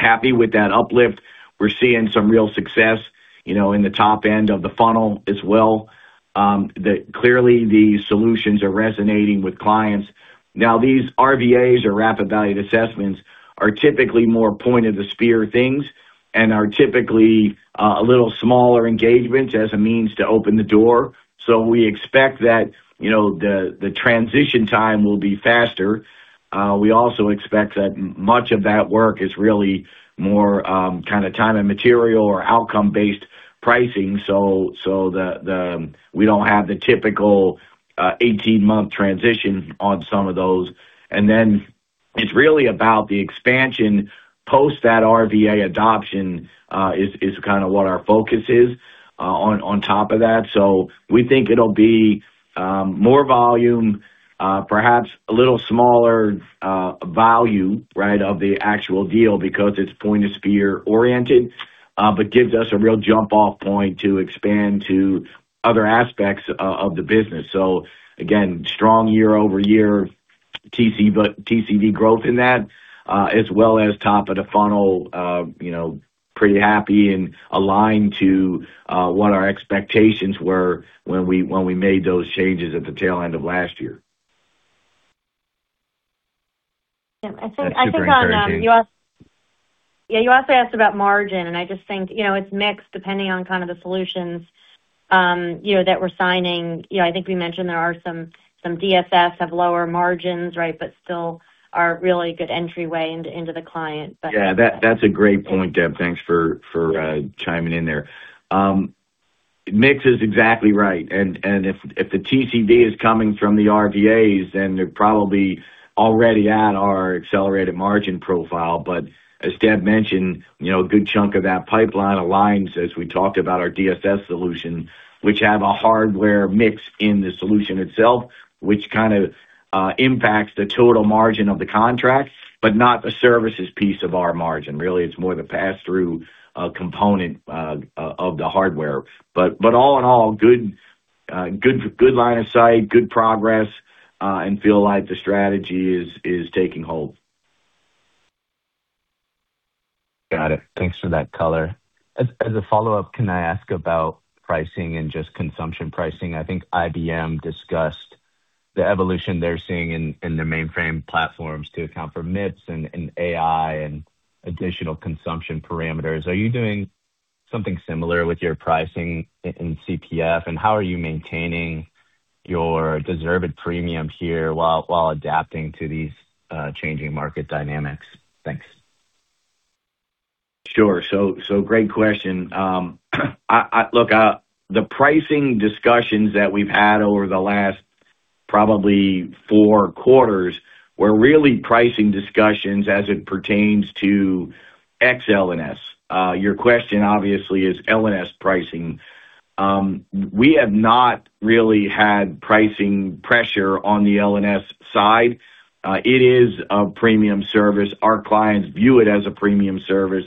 Happy with that uplift. We're seeing some real success, you know, in the top end of the funnel as well. That clearly these solutions are resonating with clients. These RVAs or Rapid Value Assessments are typically more point of the spear things and are typically a little smaller engagements as a means to open the door. We expect that, you know, the transition time will be faster. We also expect that much of that work is really more kinda time and material or outcome-based pricing. We don't have the typical 18-month transition on some of those. It's really about the expansion post that RVA adoption is kinda what our focus is on top of that. We think it'll be more volume, perhaps a little smaller value, right? Of the actual deal because it's point of spear-oriented, but gives us a real jump-off point to expand to other aspects of the business. Again, strong year-over-year TCV growth in that, as well as top of the funnel, you know, pretty happy and aligned to what our expectations were when we made those changes at the tail end of last year. Yeah. That's super encouraging. You also asked about margin, and I just think, you know, it's mixed depending on kind of the solutions, you know, that we're signing. You know, I think we mentioned there are some DSS have lower margins, right, but still are really good entryway into the client. Yeah, that's a great point, Deb. Thanks for chiming in there. Mix is exactly right. If the TCV is coming from the RVAs, then they're probably already at our accelerated margin profile. As Deb mentioned, you know, a good chunk of that pipeline aligns as we talked about our DSS solution, which have a hardware mix in the solution itself, which kind of impacts the total margin of the contract, but not the services piece of our margin. Really, it's more the passthrough component of the hardware. All in all, good line of sight, good progress, and feel like the strategy is taking hold. Got it. Thanks for that color. As a follow-up, can I ask about pricing and just consumption pricing? I think IBM discussed the evolution they're seeing in the mainframe platforms to account for MIPS and AI and additional consumption parameters. Are you doing something similar with your pricing in CPF? How are you maintaining your deserved premium here while adapting to these changing market dynamics? Thanks. Sure. Great question. Look, the pricing discussions that we've had over the last probably four quarters were really pricing discussions as it pertains to XLNS. Your question obviously is L&S pricing. We have not really had pricing pressure on the L&S side. It is a premium service. Our clients view it as a premium service.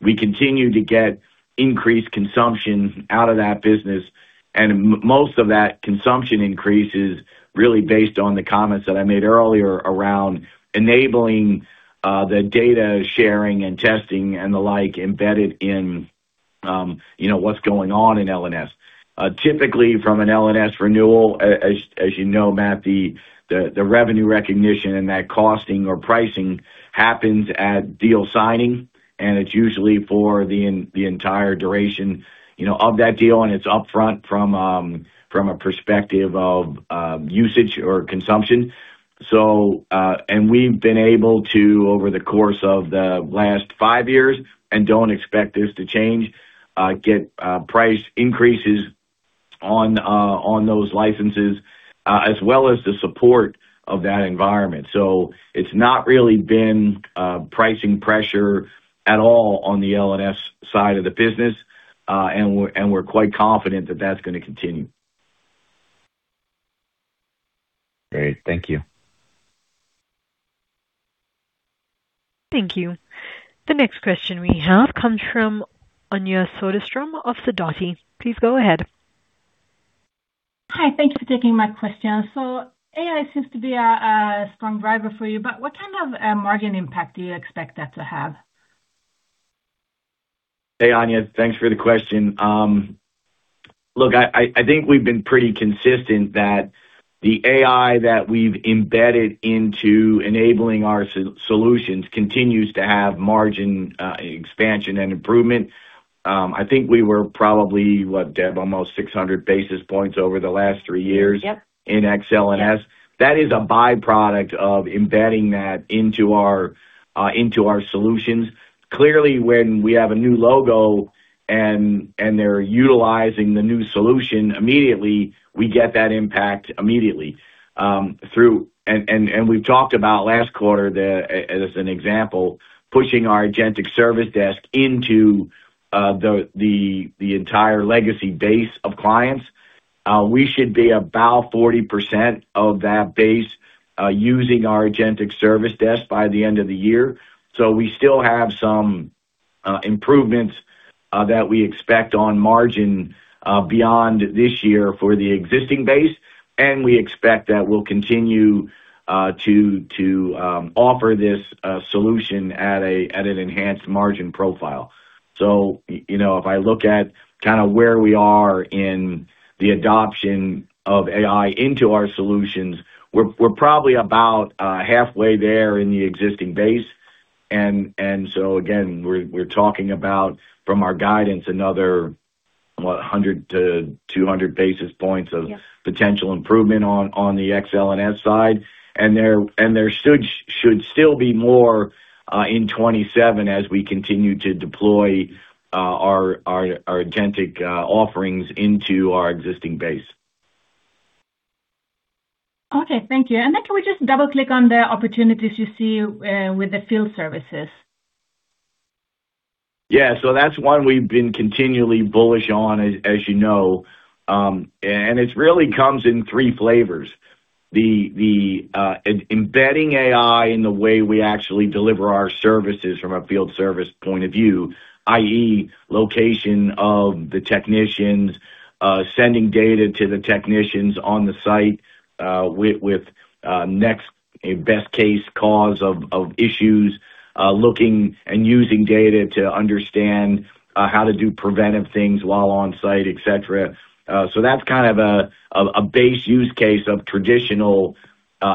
We continue to get increased consumption out of that business, and most of that consumption increase is really based on the comments that I made earlier around enabling the data sharing and testing and the like embedded in, you know, what's going on in L&S. Typically from an L&S renewal, as you know, Matt, the revenue recognition and that costing or pricing happens at deal signing, and it's usually for the entire duration, you know, of that deal, and it's upfront from a perspective of usage or consumption. We've been able to, over the course of the last five years, and don't expect this to change, get price increases on those licenses, as well as the support of that environment. It's not really been pricing pressure at all on the L&S side of the business. We're quite confident that that's gonna continue. Great. Thank you. Thank you. The next question we have comes from Anja Soderstrom of Sidoti. Please go ahead. Hi. Thank you for taking my question. AI seems to be a strong driver for you, but what kind of a margin impact do you expect that to have? Hey, Anja. Thanks for the question. I think we've been pretty consistent that the AI that we've embedded into enabling our solutions continues to have margin expansion and improvement. I think we were probably, what, Deb, almost 600 basis points over the last three years. Yep. in XLNS. Yep. That is a byproduct of embedding that into our into our solutions. Clearly, when we have a new logo and they're utilizing the new solution immediately, we get that impact immediately, through and we've talked about last quarter as an example, pushing our Agentic Service Desk into the entire legacy base of clients. We should be about 40% of that base using our Agentic Service Desk by the end of the year. We still have some improvements that we expect on margin beyond this year for the existing base, and we expect that we'll continue to offer this solution at an enhanced margin profile. You know, if I look at kinda where we are in the adoption of AI into our solutions, we're probably about halfway there in the existing base. Again, we're talking about, from our guidance, another, what, 100 basis points-200 basis points. Yep. Potential improvement on the XLNS side. There should still be more in 2027 as we continue to deploy our agentic offerings into our existing base. Okay. Thank you. Can we just double-click on the opportunities you see with the field services? That's one we've been continually bullish on, as you know. It really comes in three flavors. The embedding AI in the way we actually deliver our services from a field service point of view, i.e., location of the technicians, sending data to the technicians on the site, with next best case cause of issues, looking and using data to understand how to do preventive things while on site, et cetera. That's kind of a base use case of traditional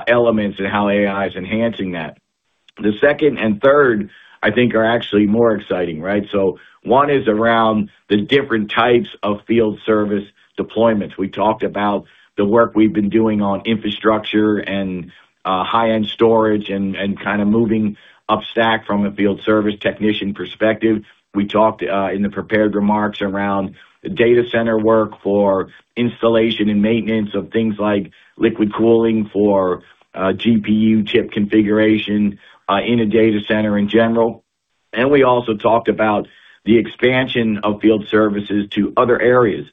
elements and how AI is enhancing that. The second and third, I think, are actually more exciting, right? One is around the different types of field service deployments. We talked about the work we've been doing on infrastructure and high-end storage and kinda moving upstack from a field service technician perspective. We talked in the prepared remarks around data center work for installation and maintenance of things like liquid cooling for GPU chip configuration in a data center in general. We also talked about the expansion of field services to other areas.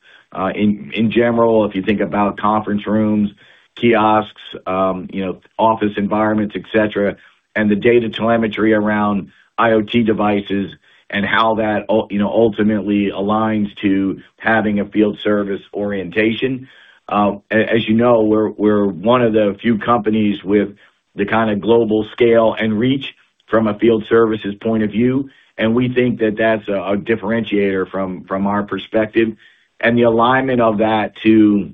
In general, if you think about conference rooms, kiosks, you know, office environments, et cetera, and the data telemetry around IoT devices and how that ultimately aligns to having a field service orientation. As you know, we're one of the few companies with the kinda global scale and reach from a field services point of view, and we think that that's a differentiator from our perspective. The alignment of that to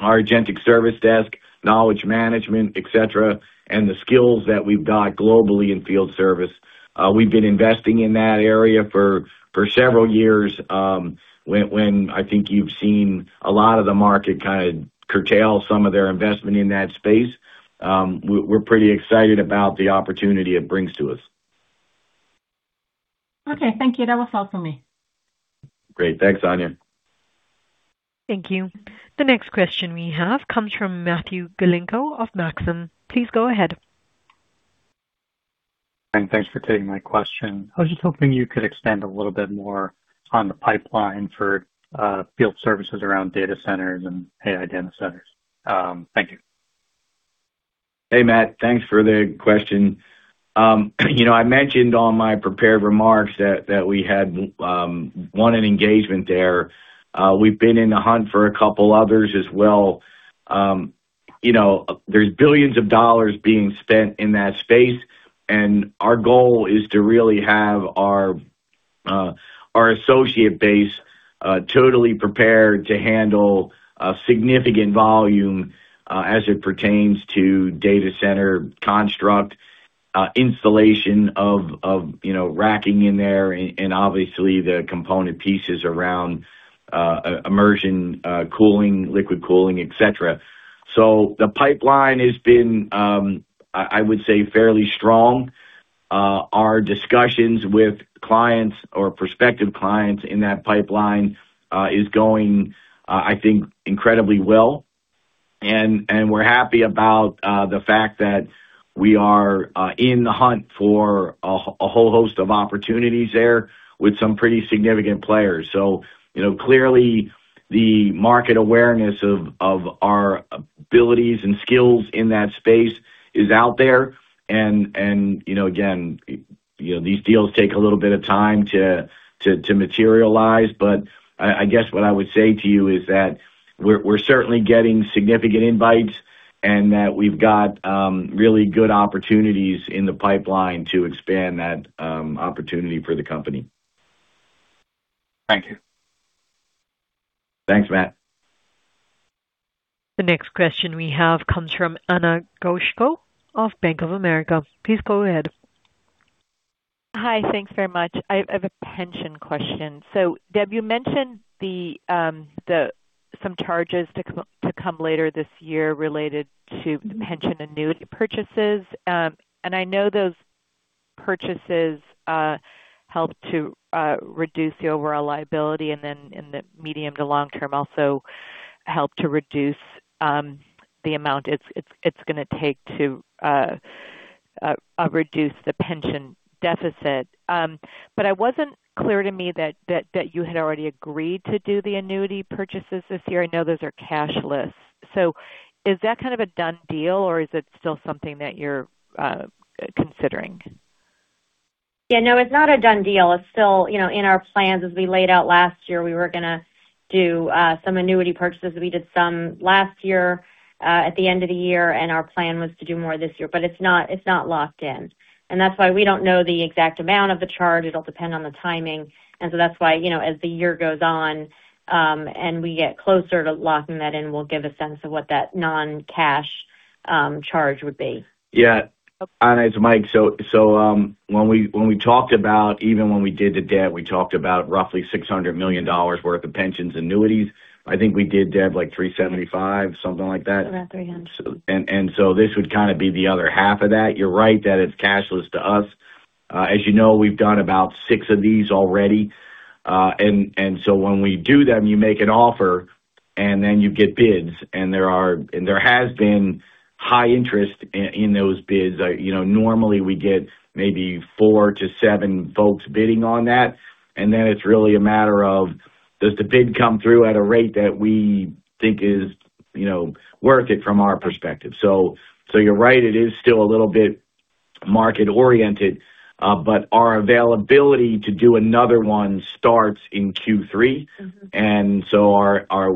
our Agentic Service Desk, knowledge management, et cetera, and the skills that we've got globally in field service, we've been investing in that area for several years, when I think you've seen a lot of the market kind of curtail some of their investment in that space. We're pretty excited about the opportunity it brings to us. Okay, thank you. That was all for me. Great. Thanks, Anja. Thank you. The next question we have comes from Matthew Galinko of Maxim. Please go ahead. Thanks for taking my question. I was just hoping you could expand a little bit more on the pipeline for field services around data centers and AI data centers. Thank you. Hey, Matt. Thanks for the question. You know, I mentioned on my prepared remarks that we had won an engagement there. We've been in the hunt for a couple others as well. You know, there's billions of dollars being spent in that space, and our goal is to really have our associate base totally prepared to handle a significant volume as it pertains to data center construct, installation of, you know, racking in there and obviously the component pieces around immersion cooling, liquid cooling, et cetera. The pipeline has been, I would say, fairly strong. Our discussions with clients or prospective clients in that pipeline is going, I think, incredibly well. We're happy about the fact that we are in the hunt for a whole host of opportunities there with some pretty significant players. You know, clearly the market awareness of our abilities and skills in that space is out there. You know, again, you know, these deals take a little bit of time to materialize. I guess what I would say to you is that we're certainly getting significant invites and that we've got really good opportunities in the pipeline to expand that opportunity for the company. Thank you. Thanks, Matt. The next question we have comes from Ana Goshko of Bank of America. Please go ahead. Hi. Thanks very much. I have a pension question. Deb, you mentioned some charges to come later this year related to pension annuity purchases. I know those purchases help to reduce the overall liability, then in the medium to long term, also help to reduce the amount it's gonna take to reduce the pension deficit. It wasn't clear to me that you had already agreed to do the annuity purchases this year. I know those are cashless. Is that kind of a done deal, or is it still something that you're considering? Yeah, no, it's not a done deal. It's still, you know, in our plans as we laid out last year, we were gonna do some annuity purchases. We did some last year at the end of the year, and our plan was to do more this year, but it's not, it's not locked in. That's why we don't know the exact amount of the charge. It'll depend on the timing. That's why, you know, as the year goes on, and we get closer to locking that in, we'll give a sense of what that non-cash charge would be. Yeah. Ana, it's Mike. When we talked about even when we did the debt, we talked about roughly $600 million worth of pensions annuities. I think we did, Deb, like $375 million, something like that. About $300 million. This would kinda be the other half of that. You're right that it's cashless to us. As you know, we've done about six of these already. When we do them, you make an offer and then you get bids. There has been high interest in those bids. You know, normally we get maybe four to seven folks bidding on that. It's really a matter of, does the bid come through at a rate that we think is, you know, worth it from our perspective. You're right, it is still a little bit market-oriented, but our availability to do another one starts in Q3.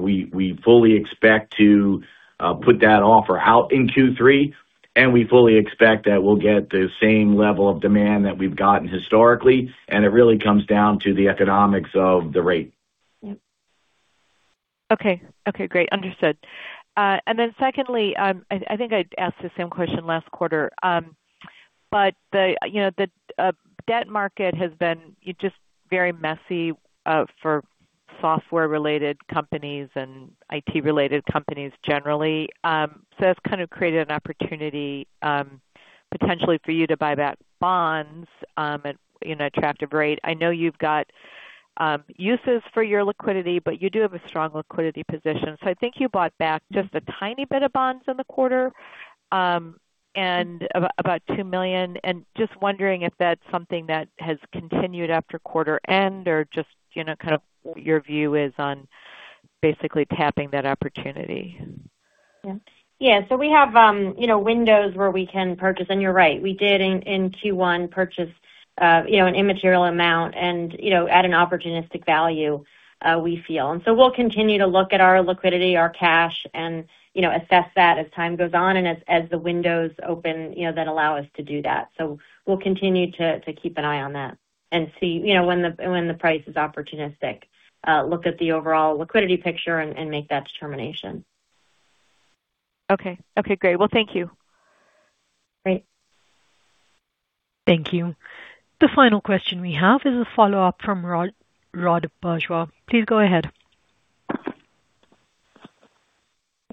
We fully expect to put that offer out in Q3, and we fully expect that we'll get the same level of demand that we've gotten historically, and it really comes down to the economics of the rate. Okay. Okay, great. Understood. Then secondly, I think I asked the same question last quarter. The, you know, the debt market has been just very messy for software-related companies and IT-related companies generally. It's kind of created an opportunity potentially for you to buy back bonds at, you know, attractive rate. I know you've got uses for your liquidity, but you do have a strong liquidity position. I think you bought back just a tiny bit of bonds in the quarter. About $2 million, and just wondering if that's something that has continued after quarter end or just, you know, kind of what your view is on basically tapping that opportunity. Yeah. Yeah. We have, you know, windows where we can purchase. You're right, we did in Q1 purchase, you know, an immaterial amount and, you know, at an opportunistic value, we feel. We'll continue to look at our liquidity, our cash and, you know, assess that as time goes on and as the windows open, you know, that allow us to do that. We'll continue to keep an eye on that and see, you know, when the price is opportunistic, look at the overall liquidity picture and make that determination. Okay. Okay, great. Well, thank you. Great. Thank you. The final question we have is a follow-up from Rod Bourgeois. Please go ahead.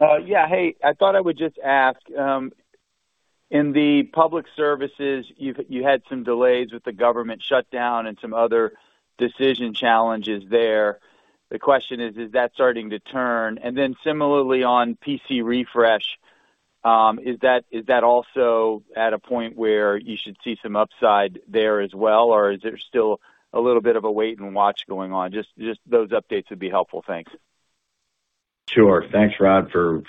Yeah. Hey, I thought I would just ask, in the public services, You had some delays with the government shutdown and some other decision challenges there. The question is that starting to turn? Similarly on PC refresh, is that also at a point where you should see some upside there as well, or is there still a little bit of a wait and watch going on? Just those updates would be helpful. Thanks. Sure. Thanks, Rod, for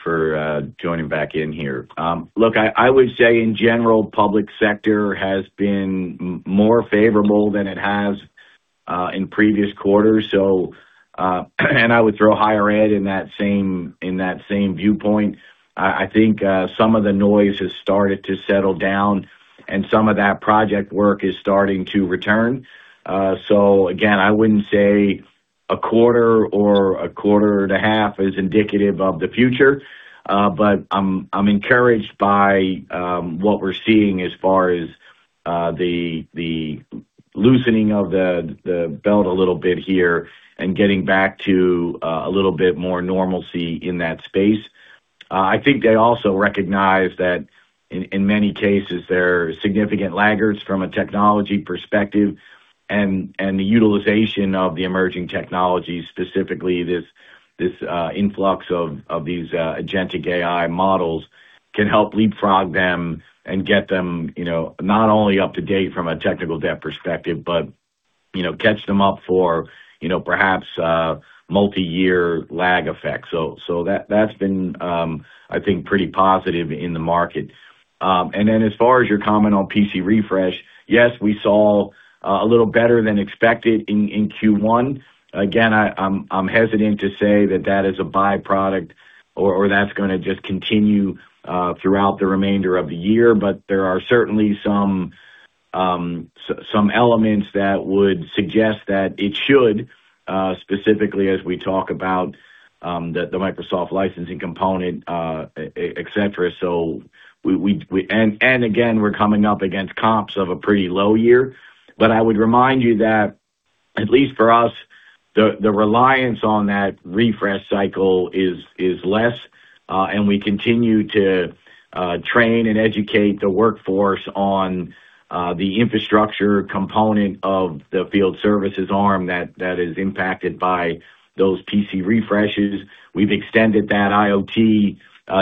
joining back in here. Look, I would say in general, public sector has been more favorable than it has in previous quarters. I would throw higher ed in that same viewpoint. I think some of the noise has started to settle down and some of that project work is starting to return. Again, I wouldn't say a quarter or a quarter and a half is indicative of the future. I'm encouraged by what we're seeing as far as the loosening of the belt a little bit here and getting back to a little bit more normalcy in that space. I think they also recognize that in many cases there are significant laggards from a technology perspective and the utilization of the emerging technologies, specifically this influx of these agentic AI models can help leapfrog them and get them, you know, not only up to date from a technical debt perspective, but, you know, catch them up for, you know, perhaps multi-year lag effects. That's been, I think pretty positive in the market. As far as your comment on PC refresh, yes, we saw a little better than expected in Q1. Again, I'm hesitant to say that that is a byproduct or that's gonna just continue throughout the remainder of the year. There are certainly some elements that would suggest that it should, specifically as we talk about the Microsoft licensing component, etcetera. We, and again, we're coming up against comps of a pretty low year. I would remind you that at least for us, the reliance on that refresh cycle is less, and we continue to train and educate the workforce on the infrastructure component of the field services arm that is impacted by those PC refreshes. We've extended that IoT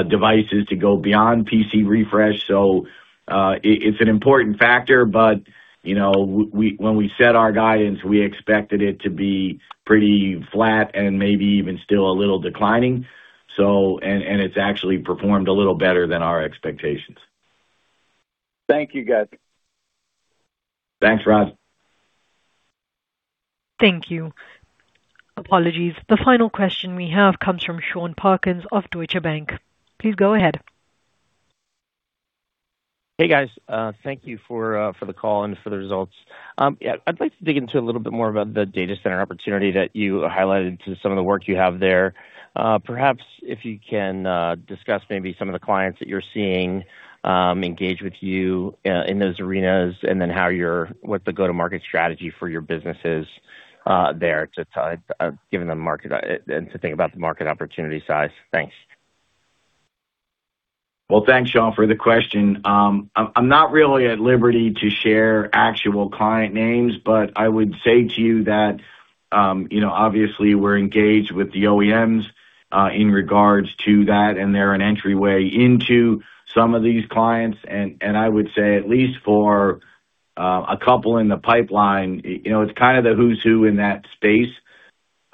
devices to go beyond PC refresh. It's an important factor, but, you know, we when we set our guidance, we expected it to be pretty flat and maybe even still a little declining. It's actually performed a little better than our expectations. Thank you, guys. Thanks, Rod. Thank you. Apologies. The final question we have comes from Sean Perkins of Deutsche Bank. Please go ahead. Hey, guys. Thank you for the call and for the results. Yeah, I'd like to dig into a little bit more about the data center opportunity that you highlighted to some of the work you have there. Perhaps if you can discuss maybe some of the clients that you're seeing engage with you in those arenas, and then what the go-to-market strategy for your businesses there to given the market and to think about the market opportunity size. Thanks. Thanks, Sean, for the question. I'm not really at liberty to share actual client names, but I would say to you that, you know, obviously we're engaged with the OEMs in regards to that, and they're an entryway into some of these clients. I would say at least for a couple in the pipeline, you know, it's kind of the who's who in that space.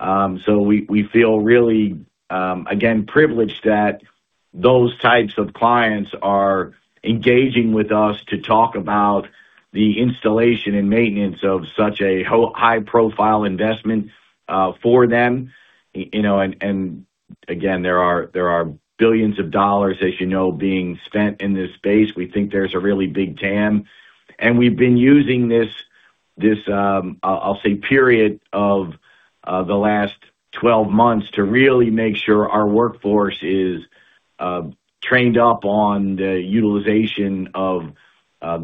We feel really, again, privileged that those types of clients are engaging with us to talk about the installation and maintenance of such a high profile investment for them. You know, again, there are billions of dollars, as you know, being spent in this space. We think there's a really big TAM. We've been using this, I'll say period of the last 12 months to really make sure our workforce is trained up on the utilization of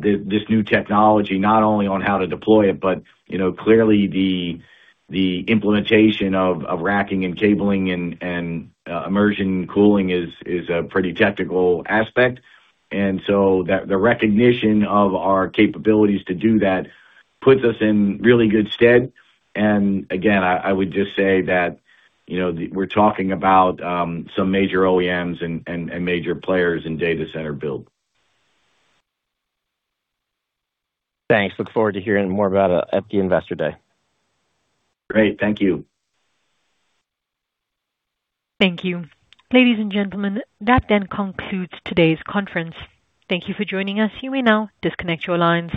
this new technology, not only on how to deploy it, but, you know, clearly the implementation of racking and cabling and immersion cooling is a pretty technical aspect. The recognition of our capabilities to do that puts us in really good stead. Again, I would just say that, you know, we're talking about some major OEMs and major players in data center build. Thanks. Look forward to hearing more about it at the Investor Day. Great. Thank you. Thank you. Ladies and gentlemen, that then concludes today's conference. Thank you for joining us. You may now disconnect your lines.